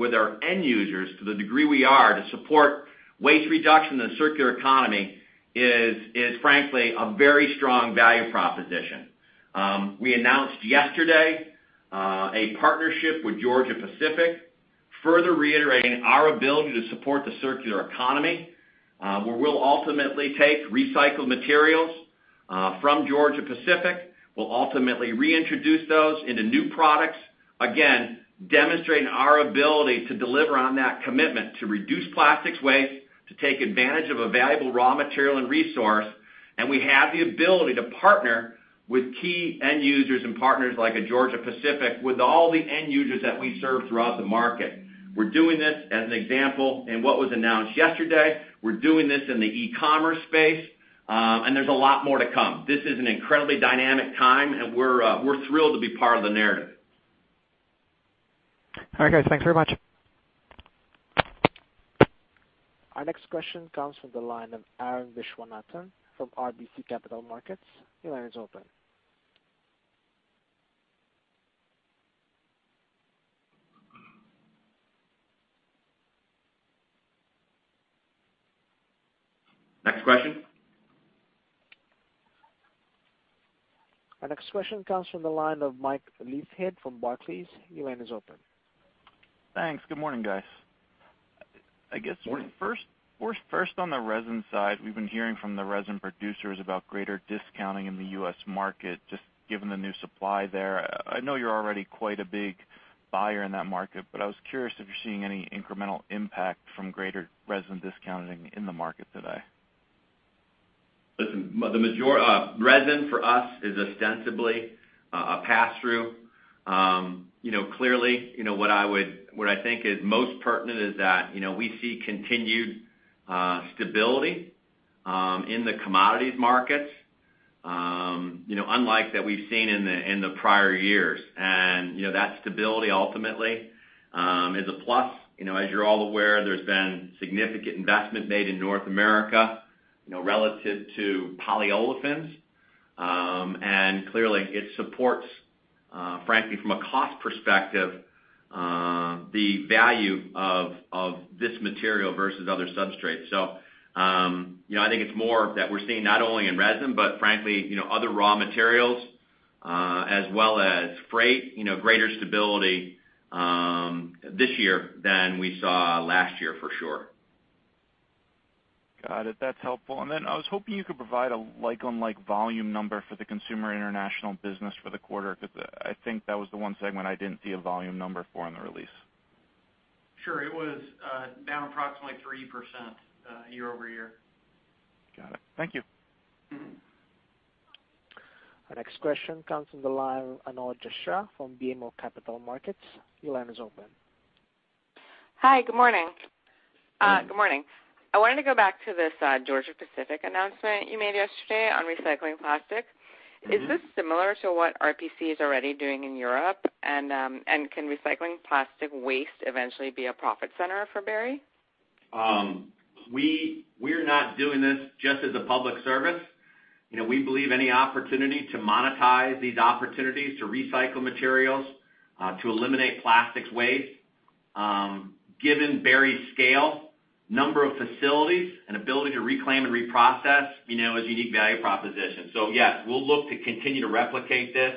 end users to the degree we are to support waste reduction and circular economy is frankly a very strong value proposition. We announced yesterday a partnership with Georgia-Pacific, further reiterating our ability to support the circular economy where we'll ultimately take recycled materials from Georgia-Pacific. We'll ultimately reintroduce those into new products, again, demonstrating our ability to deliver on that commitment to reduce plastics waste, to take advantage of a valuable raw material and resource, and we have the ability to partner with key end users and partners like a Georgia-Pacific with all the end users that we serve throughout the market. We're doing this as an example in what was announced yesterday. We're doing this in the e-commerce space. There's a lot more to come. This is an incredibly dynamic time, and we're thrilled to be part of the narrative. All right, guys. Thanks very much. Our next question comes from the line of Arun Viswanathan from RBC Capital Markets. Your line is open. Next question. Our next question comes from the line of Mike Leithead from Barclays. Your line is open. Thanks. Good morning, guys. Morning. I guess first on the resin side, we've been hearing from the resin producers about greater discounting in the U.S. market, just given the new supply there. I know you're already quite a big buyer in that market, but I was curious if you're seeing any incremental impact from greater resin discounting in the market today. Listen, resin for us is ostensibly a pass-through. Clearly, what I think is most pertinent is that we see continued stability in the commodities markets unlike that we've seen in the prior years. That stability ultimately is a plus. As you're all aware, there's been significant investment made in North America relative to polyolefins. Clearly, it supports, frankly from a cost perspective, the value of this material versus other substrates. I think it's more that we're seeing not only in resin, but frankly other raw materials as well as freight, greater stability this year than we saw last year for sure. Got it. That's helpful. I was hoping you could provide a like-on-like volume number for the Consumer International business for the quarter, because I think that was the one segment I didn't see a volume number for in the release. Sure. It was down approximately 3% year-over-year. Got it. Thank you. Our next question comes from the line of Anil Jashia from BMO Capital Markets. Your line is open. Hi, good morning. I wanted to go back to this Georgia-Pacific announcement you made yesterday on recycling plastic. Is this similar to what RPC is already doing in Europe? Can recycling plastic waste eventually be a profit center for Berry? We're not doing this just as a public service. We believe any opportunity to monetize these opportunities to recycle materials, to eliminate plastics waste, given Berry's scale, number of facilities, and ability to reclaim and reprocess is a unique value proposition. Yes, we'll look to continue to replicate this.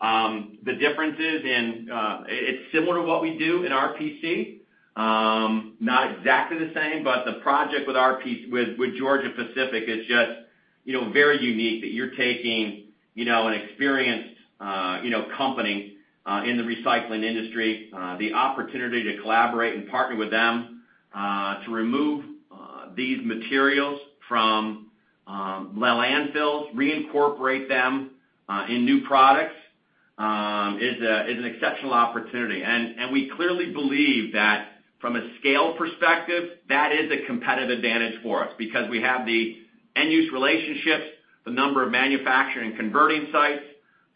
The difference is in it's similar to what we do in RPC. Not exactly the same, the project with Georgia-Pacific is just very unique that you're taking an experienced company in the recycling industry. The opportunity to collaborate and partner with them to remove these materials from landfills, reincorporate them in new products, is an exceptional opportunity. We clearly believe that from a scale perspective, that is a competitive advantage for us because we have the end-use relationships, the number of manufacturing and converting sites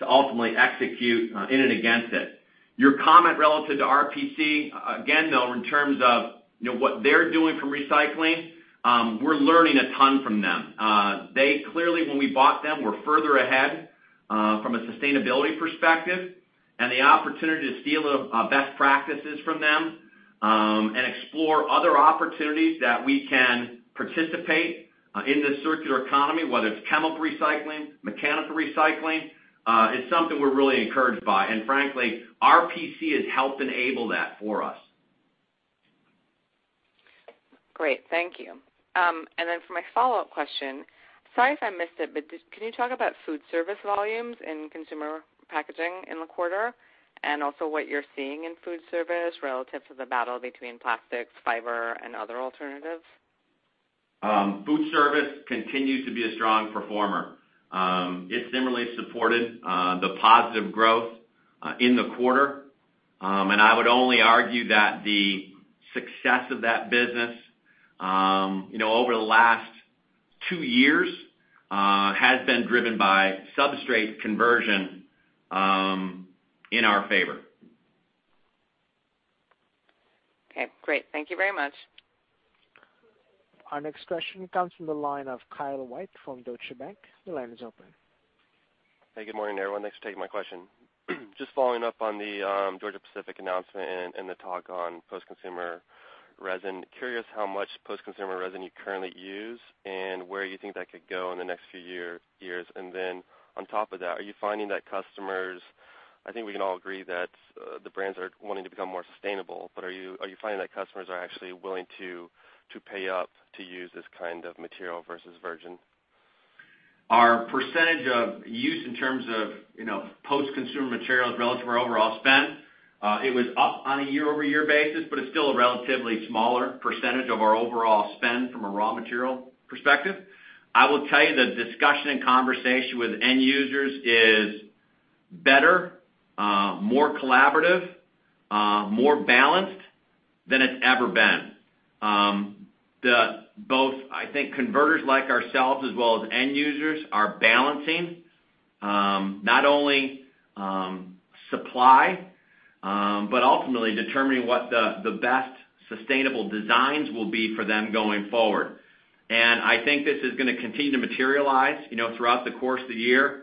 to ultimately execute in and against it. Your comment relative to RPC, again, though, in terms of what they're doing for recycling, we're learning a ton from them. They clearly, when we bought them, were further ahead from a sustainability perspective and the opportunity to steal best practices from them, and explore other opportunities that we can participate in this circular economy, whether it's chemical recycling, mechanical recycling, is something we're really encouraged by. And frankly, RPC has helped enable that for us. Great. Thank you. For my follow-up question, sorry if I missed it, but can you talk about food service volumes in consumer packaging in the quarter, and also what you're seeing in food service relative to the battle between plastics, fiber, and other alternatives? Food service continues to be a strong performer. It similarly supported the positive growth in the quarter. I would only argue that the success of that business over the last two years has been driven by substrate conversion in our favor. Okay, great. Thank you very much. Our next question comes from the line of Kyle White from Deutsche Bank. The line is open. Hey, good morning, everyone. Thanks for taking my question. Just following up on the Georgia-Pacific announcement and the talk on post-consumer resin. Curious how much post-consumer resin you currently use and where you think that could go in the next few years. Then on top of that, I think we can all agree that the brands are wanting to become more sustainable, but are you finding that customers are actually willing to pay up to use this kind of material versus virgin? Our percentage of use in terms of post-consumer material relative to our overall spend, it was up on a year-over-year basis, but it's still a relatively smaller percentage of our overall spend from a raw material perspective. I will tell you the discussion and conversation with end users is better, more collaborative, more balanced than it's ever been. Both converters like ourselves as well as end users are balancing not only supply, but ultimately determining what the best sustainable designs will be for them going forward. I think this is going to continue to materialize throughout the course of the year.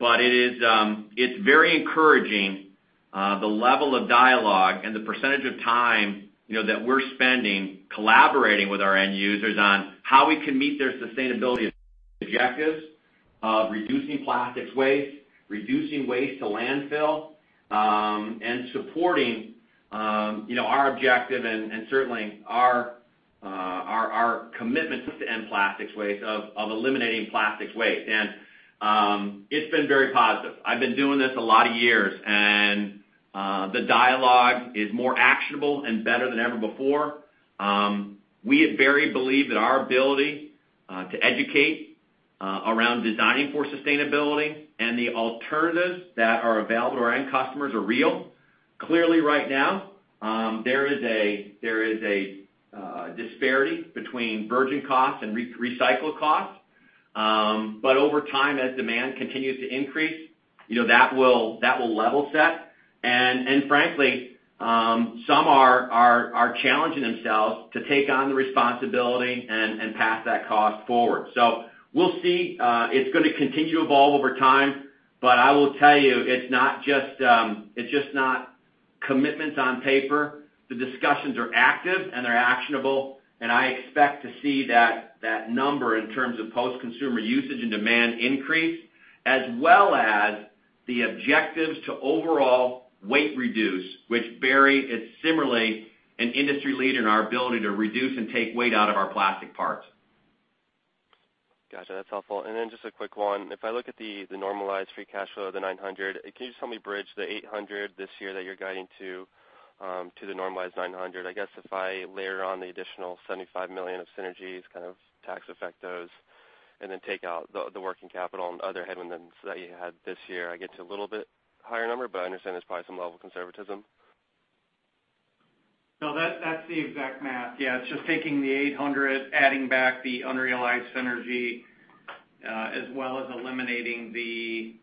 It's very encouraging the level of dialogue and the percentage of time that we're spending collaborating with our end users on how we can meet their sustainability objectives of reducing plastics waste, reducing waste to landfill, and supporting our objective and certainly our commitment to end plastics waste, of eliminating plastics waste. It's been very positive. I've been doing this a lot of years, and the dialogue is more actionable and better than ever before. We at Berry believe that our ability to educate around designing for sustainability and the alternatives that are available to our end customers are real. Clearly, right now, there is a disparity between virgin costs and recycled costs. Over time, as demand continues to increase, that will level set. Frankly, some are challenging themselves to take on the responsibility and pass that cost forward. We'll see. It's going to continue to evolve over time, but I will tell you, it's just not commitments on paper. The discussions are active, and they're actionable, and I expect to see that number in terms of post-consumer usage and demand increase, as well as the objectives to overall weight reduce, which Berry is similarly an industry leader in our ability to reduce and take weight out of our plastic parts. Got you. That's helpful. Then just a quick one. If I look at the normalized free cash flow, the $900, can you just help me bridge the $800 this year that you're guiding to the normalized $900? I guess if I layer on the additional $75 million of synergies, kind of tax effect those, and then take out the working capital and other headwind events that you had this year, I get to a little bit higher number, but I understand there's probably some level of conservatism. No, that's the exact math. Yeah. It's just taking the $800, adding back the unrealized synergy, as well as eliminating the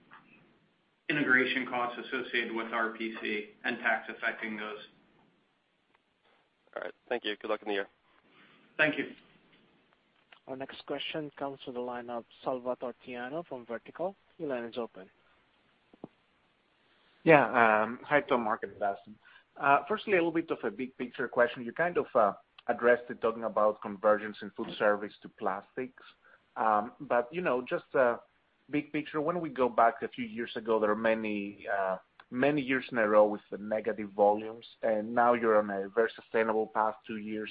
integration costs associated with RPC and tax affecting those. All right. Thank you. Good luck in the year. Thank you. Our next question comes to the line of Salvatore Tiano from Vertical. Your line is open. Yeah. Hi, Tom, Mark, and Dustin. Firstly, a little bit of a big picture question. You kind of addressed it talking about conversions in food service to plastics. Just big picture, when we go back a few years ago, there are many years in a row with the negative volumes, and now you're on a very sustainable path, two years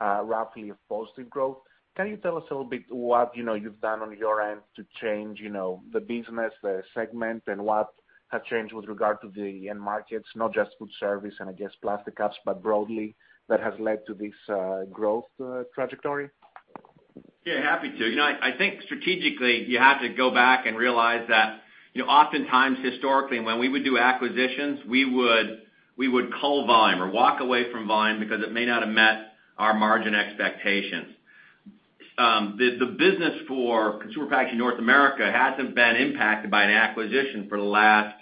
roughly of positive growth. Can you tell us a little bit what you've done on your end to change the business, the segment, and what has changed with regard to the end markets, not just food service and I guess plastic cups, but broadly that has led to this growth trajectory? Yeah, happy to. I think strategically you have to go back and realize that oftentimes, historically, when we would do acquisitions, we would cull volume or walk away from volume because it may not have met our margin expectations. The business for Consumer Packaging North America hasn't been impacted by an acquisition for the last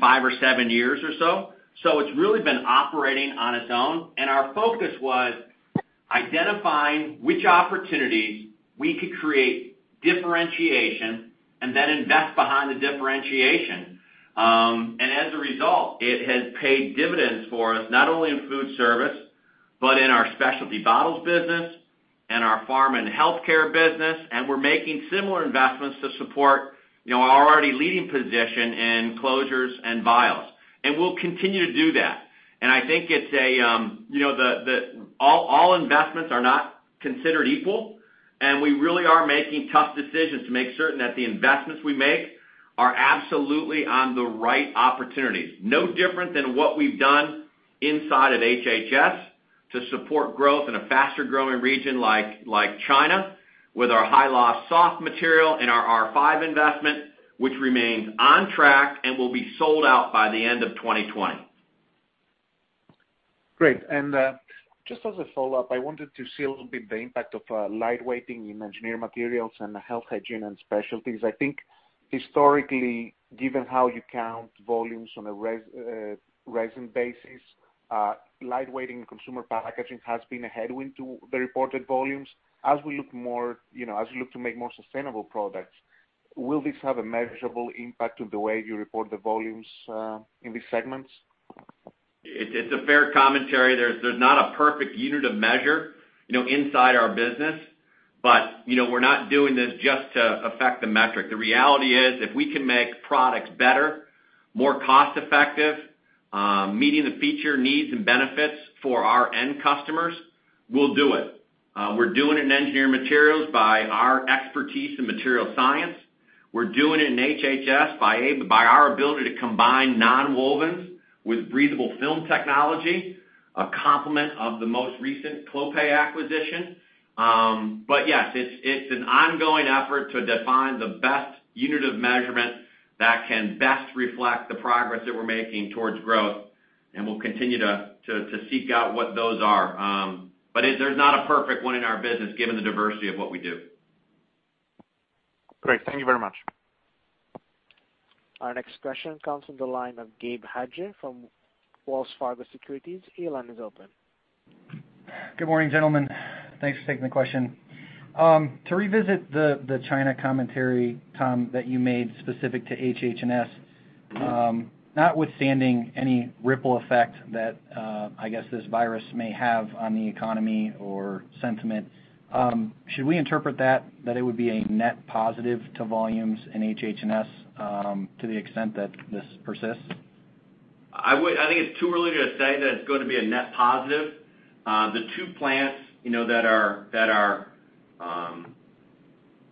five or seven years or so. It's really been operating on its own, and our focus was identifying which opportunities we could create differentiation and then invest behind the differentiation. As a result, it has paid dividends for us, not only in food service, but in our specialty bottles business and our pharm and healthcare business, and we're making similar investments to support our already leading position in closures and vials. We'll continue to do that. I think all investments are not considered equal, and we really are making tough decisions to make certain that the investments we make are absolutely on the right opportunities. No different than what we've done inside of HH&S to support growth in a faster-growing region like China with our high-loft soft material and our R5 investment, which remains on track and will be sold out by the end of 2020. Just as a follow-up, I wanted to see a little bit the impact of lightweighting in Engineered Materials and the Health, Hygiene & Specialties. I think historically, given how you count volumes on a resin basis, lightweighting Consumer Packaging has been a headwind to the reported volumes. As you look to make more sustainable products, will this have a measurable impact on the way you report the volumes in these segments? It's a fair commentary. There's not a perfect unit of measure inside our business, but we're not doing this just to affect the metric. The reality is, if we can make products better, more cost-effective, meeting the feature needs and benefits for our end customers, we'll do it. We're doing it in Engineered Materials by our expertise in material science. We're doing it in HH&S by our ability to combine nonwovens with breathable film technology, a complement of the most recent Clopay acquisition. Yes, it's an ongoing effort to define the best unit of measurement that can best reflect the progress that we're making towards growth, and we'll continue to seek out what those are. There's not a perfect one in our business, given the diversity of what we do. Great. Thank you very much. Our next question comes from the line of Gabe Hajde from Wells Fargo Securities. Your line is open. Good morning, gentlemen. Thanks for taking the question. To revisit the China commentary, Tom, that you made specific to HH&S. Notwithstanding any ripple effect that, I guess, this virus may have on the economy or sentiment, should we interpret that it would be a net positive to volumes in HH&S to the extent that this persists? I think it's too early to say that it's going to be a net positive. The two plants that are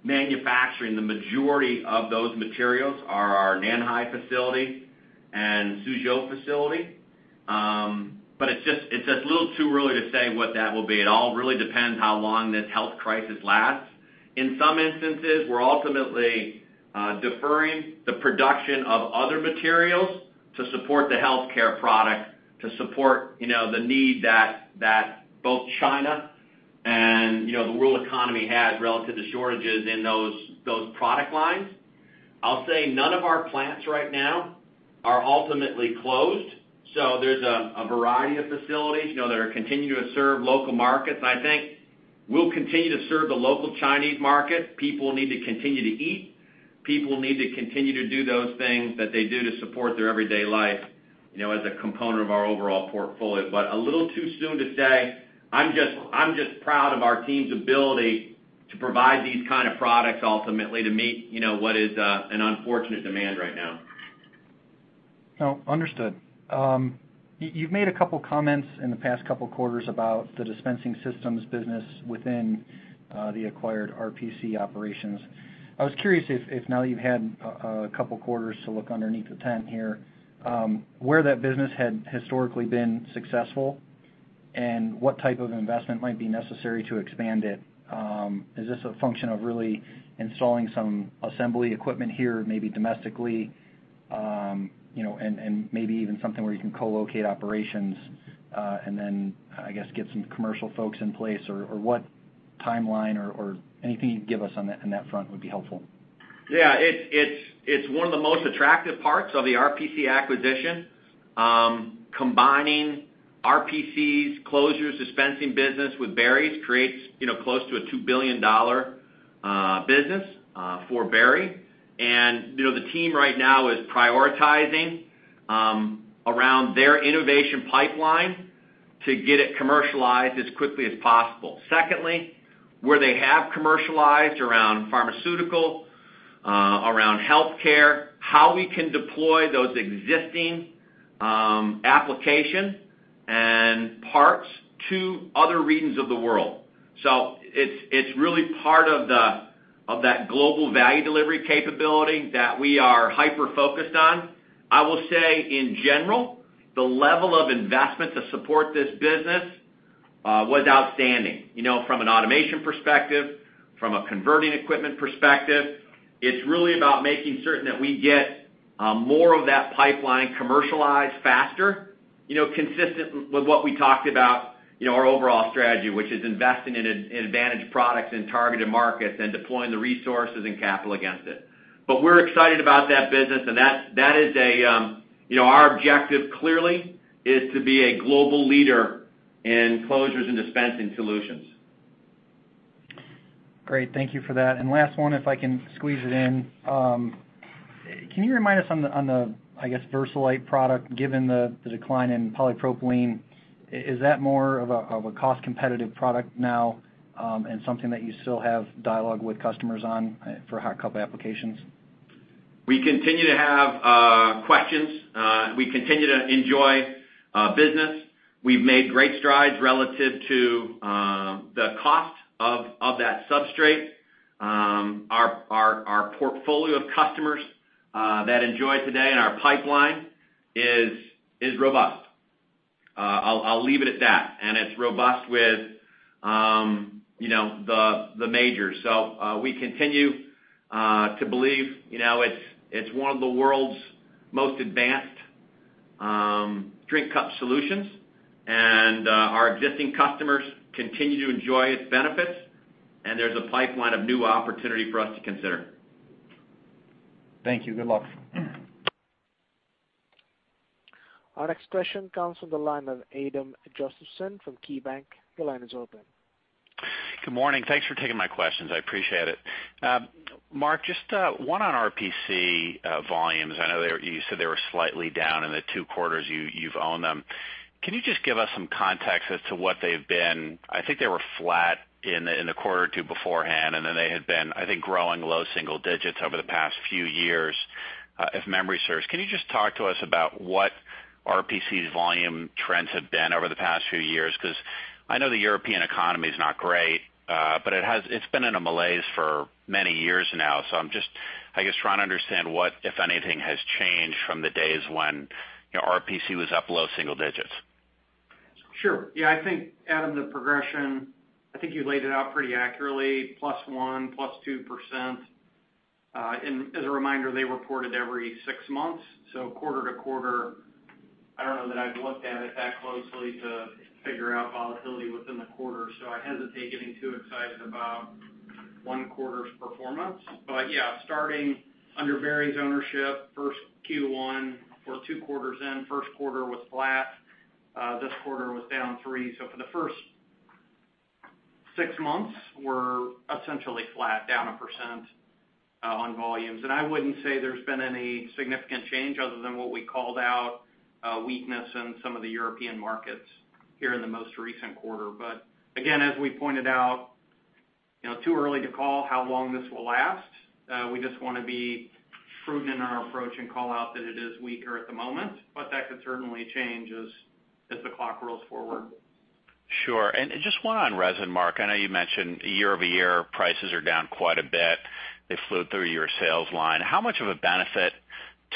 manufacturing the majority of those materials are our Nanhai facility and Suzhou facility. It's just a little too early to say what that will be. It all really depends how long this health crisis lasts. In some instances, we're ultimately deferring the production of other materials to support the healthcare product, to support the need that both China and the world economy has relative to shortages in those product lines. I'll say none of our plants right now are ultimately closed. There's a variety of facilities that are continuing to serve local markets, and I think we'll continue to serve the local Chinese market. People need to continue to eat. People need to continue to do those things that they do to support their everyday life as a component of our overall portfolio. A little too soon to say. I'm just proud of our team's ability to provide these kind of products, ultimately, to meet what is an unfortunate demand right now. No, understood. You've made a couple comments in the past couple quarters about the dispensing systems business within the acquired RPC operations. I was curious if now you've had a couple quarters to look underneath the tent here, where that business had historically been successful and what type of investment might be necessary to expand it. Is this a function of really installing some assembly equipment here, maybe domestically, and maybe even something where you can co-locate operations, and then I guess get some commercial folks in place? What timeline or anything you'd give us on that front would be helpful. It's one of the most attractive parts of the RPC acquisition. Combining RPC's closures dispensing business with Berry's creates close to a $2 billion business for Berry. The team right now is prioritizing around their innovation pipeline to get it commercialized as quickly as possible. Secondly, where they have commercialized around pharmaceutical, around healthcare, how we can deploy those existing application and parts to other regions of the world. It's really part of that global value delivery capability that we are hyper-focused on. I will say in general, the level of investment to support this business was outstanding. From an automation perspective, from a converting equipment perspective, it's really about making certain that we get more of that pipeline commercialized faster, consistent with what we talked about our overall strategy, which is investing in advantage products in targeted markets and deploying the resources and capital against it. We're excited about that business, and our objective clearly is to be a global leader in closures and dispensing solutions. Great. Thank you for that. Last one, if I can squeeze it in. Can you remind us on the, I guess, Versalite product, given the decline in polypropylene, is that more of a cost-competitive product now and something that you still have dialogue with customers on for hot cup applications? We continue to have questions. We continue to enjoy business. We've made great strides relative to the cost of that substrate. Our portfolio of customers that enjoy today and our pipeline is robust. I'll leave it at that. It's robust with the majors. We continue to believe it's one of the world's most advanced drink cup solutions, and our existing customers continue to enjoy its benefits, and there's a pipeline of new opportunity for us to consider. Thank you. Good luck. Our next question comes from the line of Adam Josephson from KeyBanc. Your line is open. Good morning. Thanks for taking my questions. I appreciate it. Mark, just one on RPC volumes. I know you said they were slightly down in the two quarters you've owned them. Can you just give us some context as to what they've been? I think they were flat in the quarter or two beforehand, and then they had been, I think, growing low single digits over the past few years, if memory serves. Can you just talk to us about what RPC's volume trends have been over the past few years? I know the European economy is not great, but it's been in a malaise for many years now. I'm just, I guess, trying to understand what, if anything, has changed from the days when RPC was up low single digits. Sure. I think, Adam, the progression, I think you laid it out pretty accurately, +1%, +2%. As a reminder, they reported every six months, so quarter to quarter, I don't know that I've looked at it that closely to figure out volatility within the quarter, so I hesitate getting too excited about one quarter's performance. Starting under Berry's ownership, first Q1 or two quarters in, Q1 was flat. This quarter was down 3%. For the first six months, we're essentially flat, down 1% on volumes. I wouldn't say there's been any significant change other than what we called out, weakness in some of the European markets here in the most recent quarter. Again, as we pointed out, too early to call how long this will last. We just want to be prudent in our approach and call out that it is weaker at the moment, but that could certainly change as the clock rolls forward. Sure. Just one on resin, Mark. I know you mentioned year-over-year prices are down quite a bit. They flew through your sales line. How much of a benefit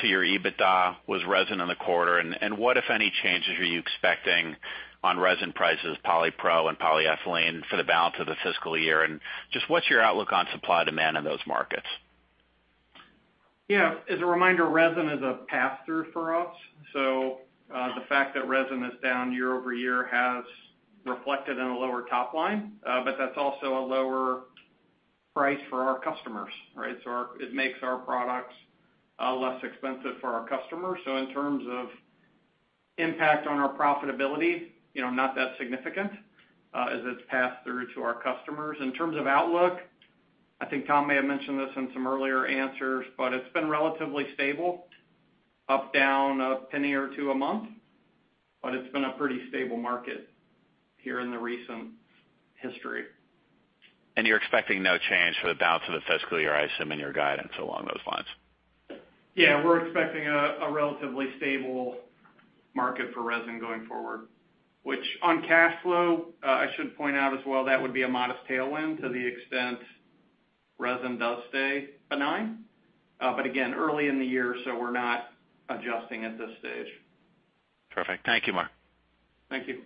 to your EBITDA was resin in the quarter, and what, if any, changes are you expecting on resin prices, polypro and polyethylene, for the balance of the fiscal year? Just what's your outlook on supply demand in those markets? Yeah. As a reminder, resin is a pass-through for us. The fact that resin is down year-over-year has reflected in a lower top line, but that's also a lower price for our customers, right? It makes our products less expensive for our customers. In terms of impact on our profitability, not that significant as it's passed through to our customers. In terms of outlook, I think Tom may have mentioned this in some earlier answers, but it's been relatively stable, up, down $0.01 or $0.02 a month, but it's been a pretty stable market here in the recent history. You're expecting no change for the balance of the fiscal year, I assume, in your guidance along those lines? Yeah, we're expecting a relatively stable market for resin going forward, which on cash flow, I should point out as well, that would be a modest tailwind to the extent resin does stay benign. Again, early in the year, so we're not adjusting at this stage. Perfect. Thank you, Mark. Thank you.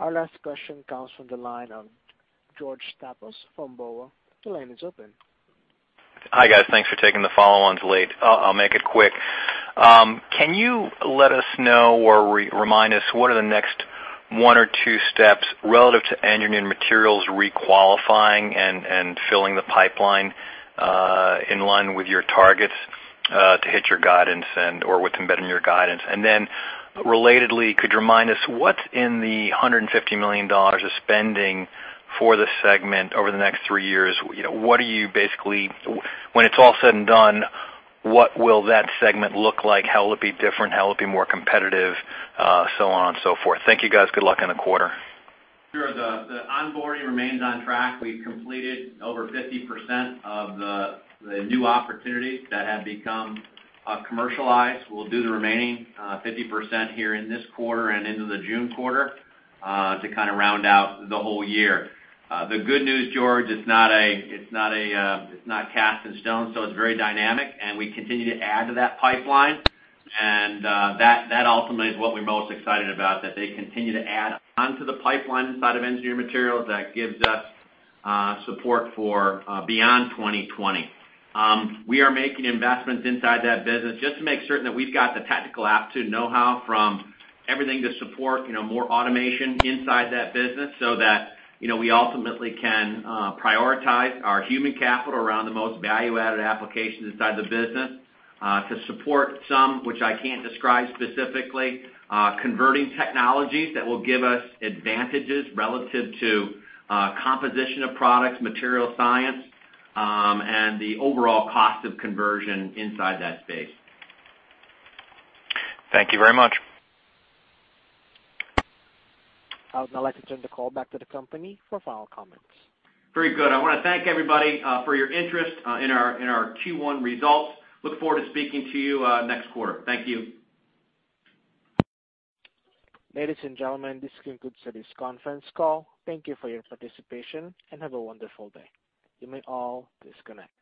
Our last question comes from the line of George Staphos from Bank of America. Your line is open. Hi, guys. Thanks for taking the follow-ons late. I'll make it quick. Can you let us know or remind us what are the next one or two steps relative to Engineered Materials re-qualifying and filling the pipeline in line with your targets to hit your guidance and/or with embedding your guidance? Relatedly, could you remind us what's in the $150 million of spending for the segment over the next three years? When it's all said and done, what will that segment look like? How will it be different? How will it be more competitive, so on and so forth? Thank you, guys. Good luck on the quarter. Sure. The onboarding remains on track. We've completed over 50% of the new opportunities that have become commercialized. We'll do the remaining 50% here in this quarter and into the June quarter to kind of round out the whole year. The good news, George, it's not cast in stone, so it's very dynamic, and we continue to add to that pipeline. That ultimately is what we're most excited about, that they continue to add onto the pipeline side of Engineered Materials that gives us support for beyond 2020. We are making investments inside that business just to make certain that we've got the technical aptitude knowhow from everything to support more automation inside that business so that we ultimately can prioritize our human capital around the most value-added applications inside the business to support some, which I can't describe specifically, converting technologies that will give us advantages relative to composition of products, material science, and the overall cost of conversion inside that space. Thank you very much. I would now like to turn the call back to the company for final comments. Very good. I want to thank everybody for your interest in our Q1 results. Look forward to speaking to you next quarter. Thank you. Ladies and gentlemen, this concludes today's conference call. Thank you for your participation, and have a wonderful day. You may all disconnect.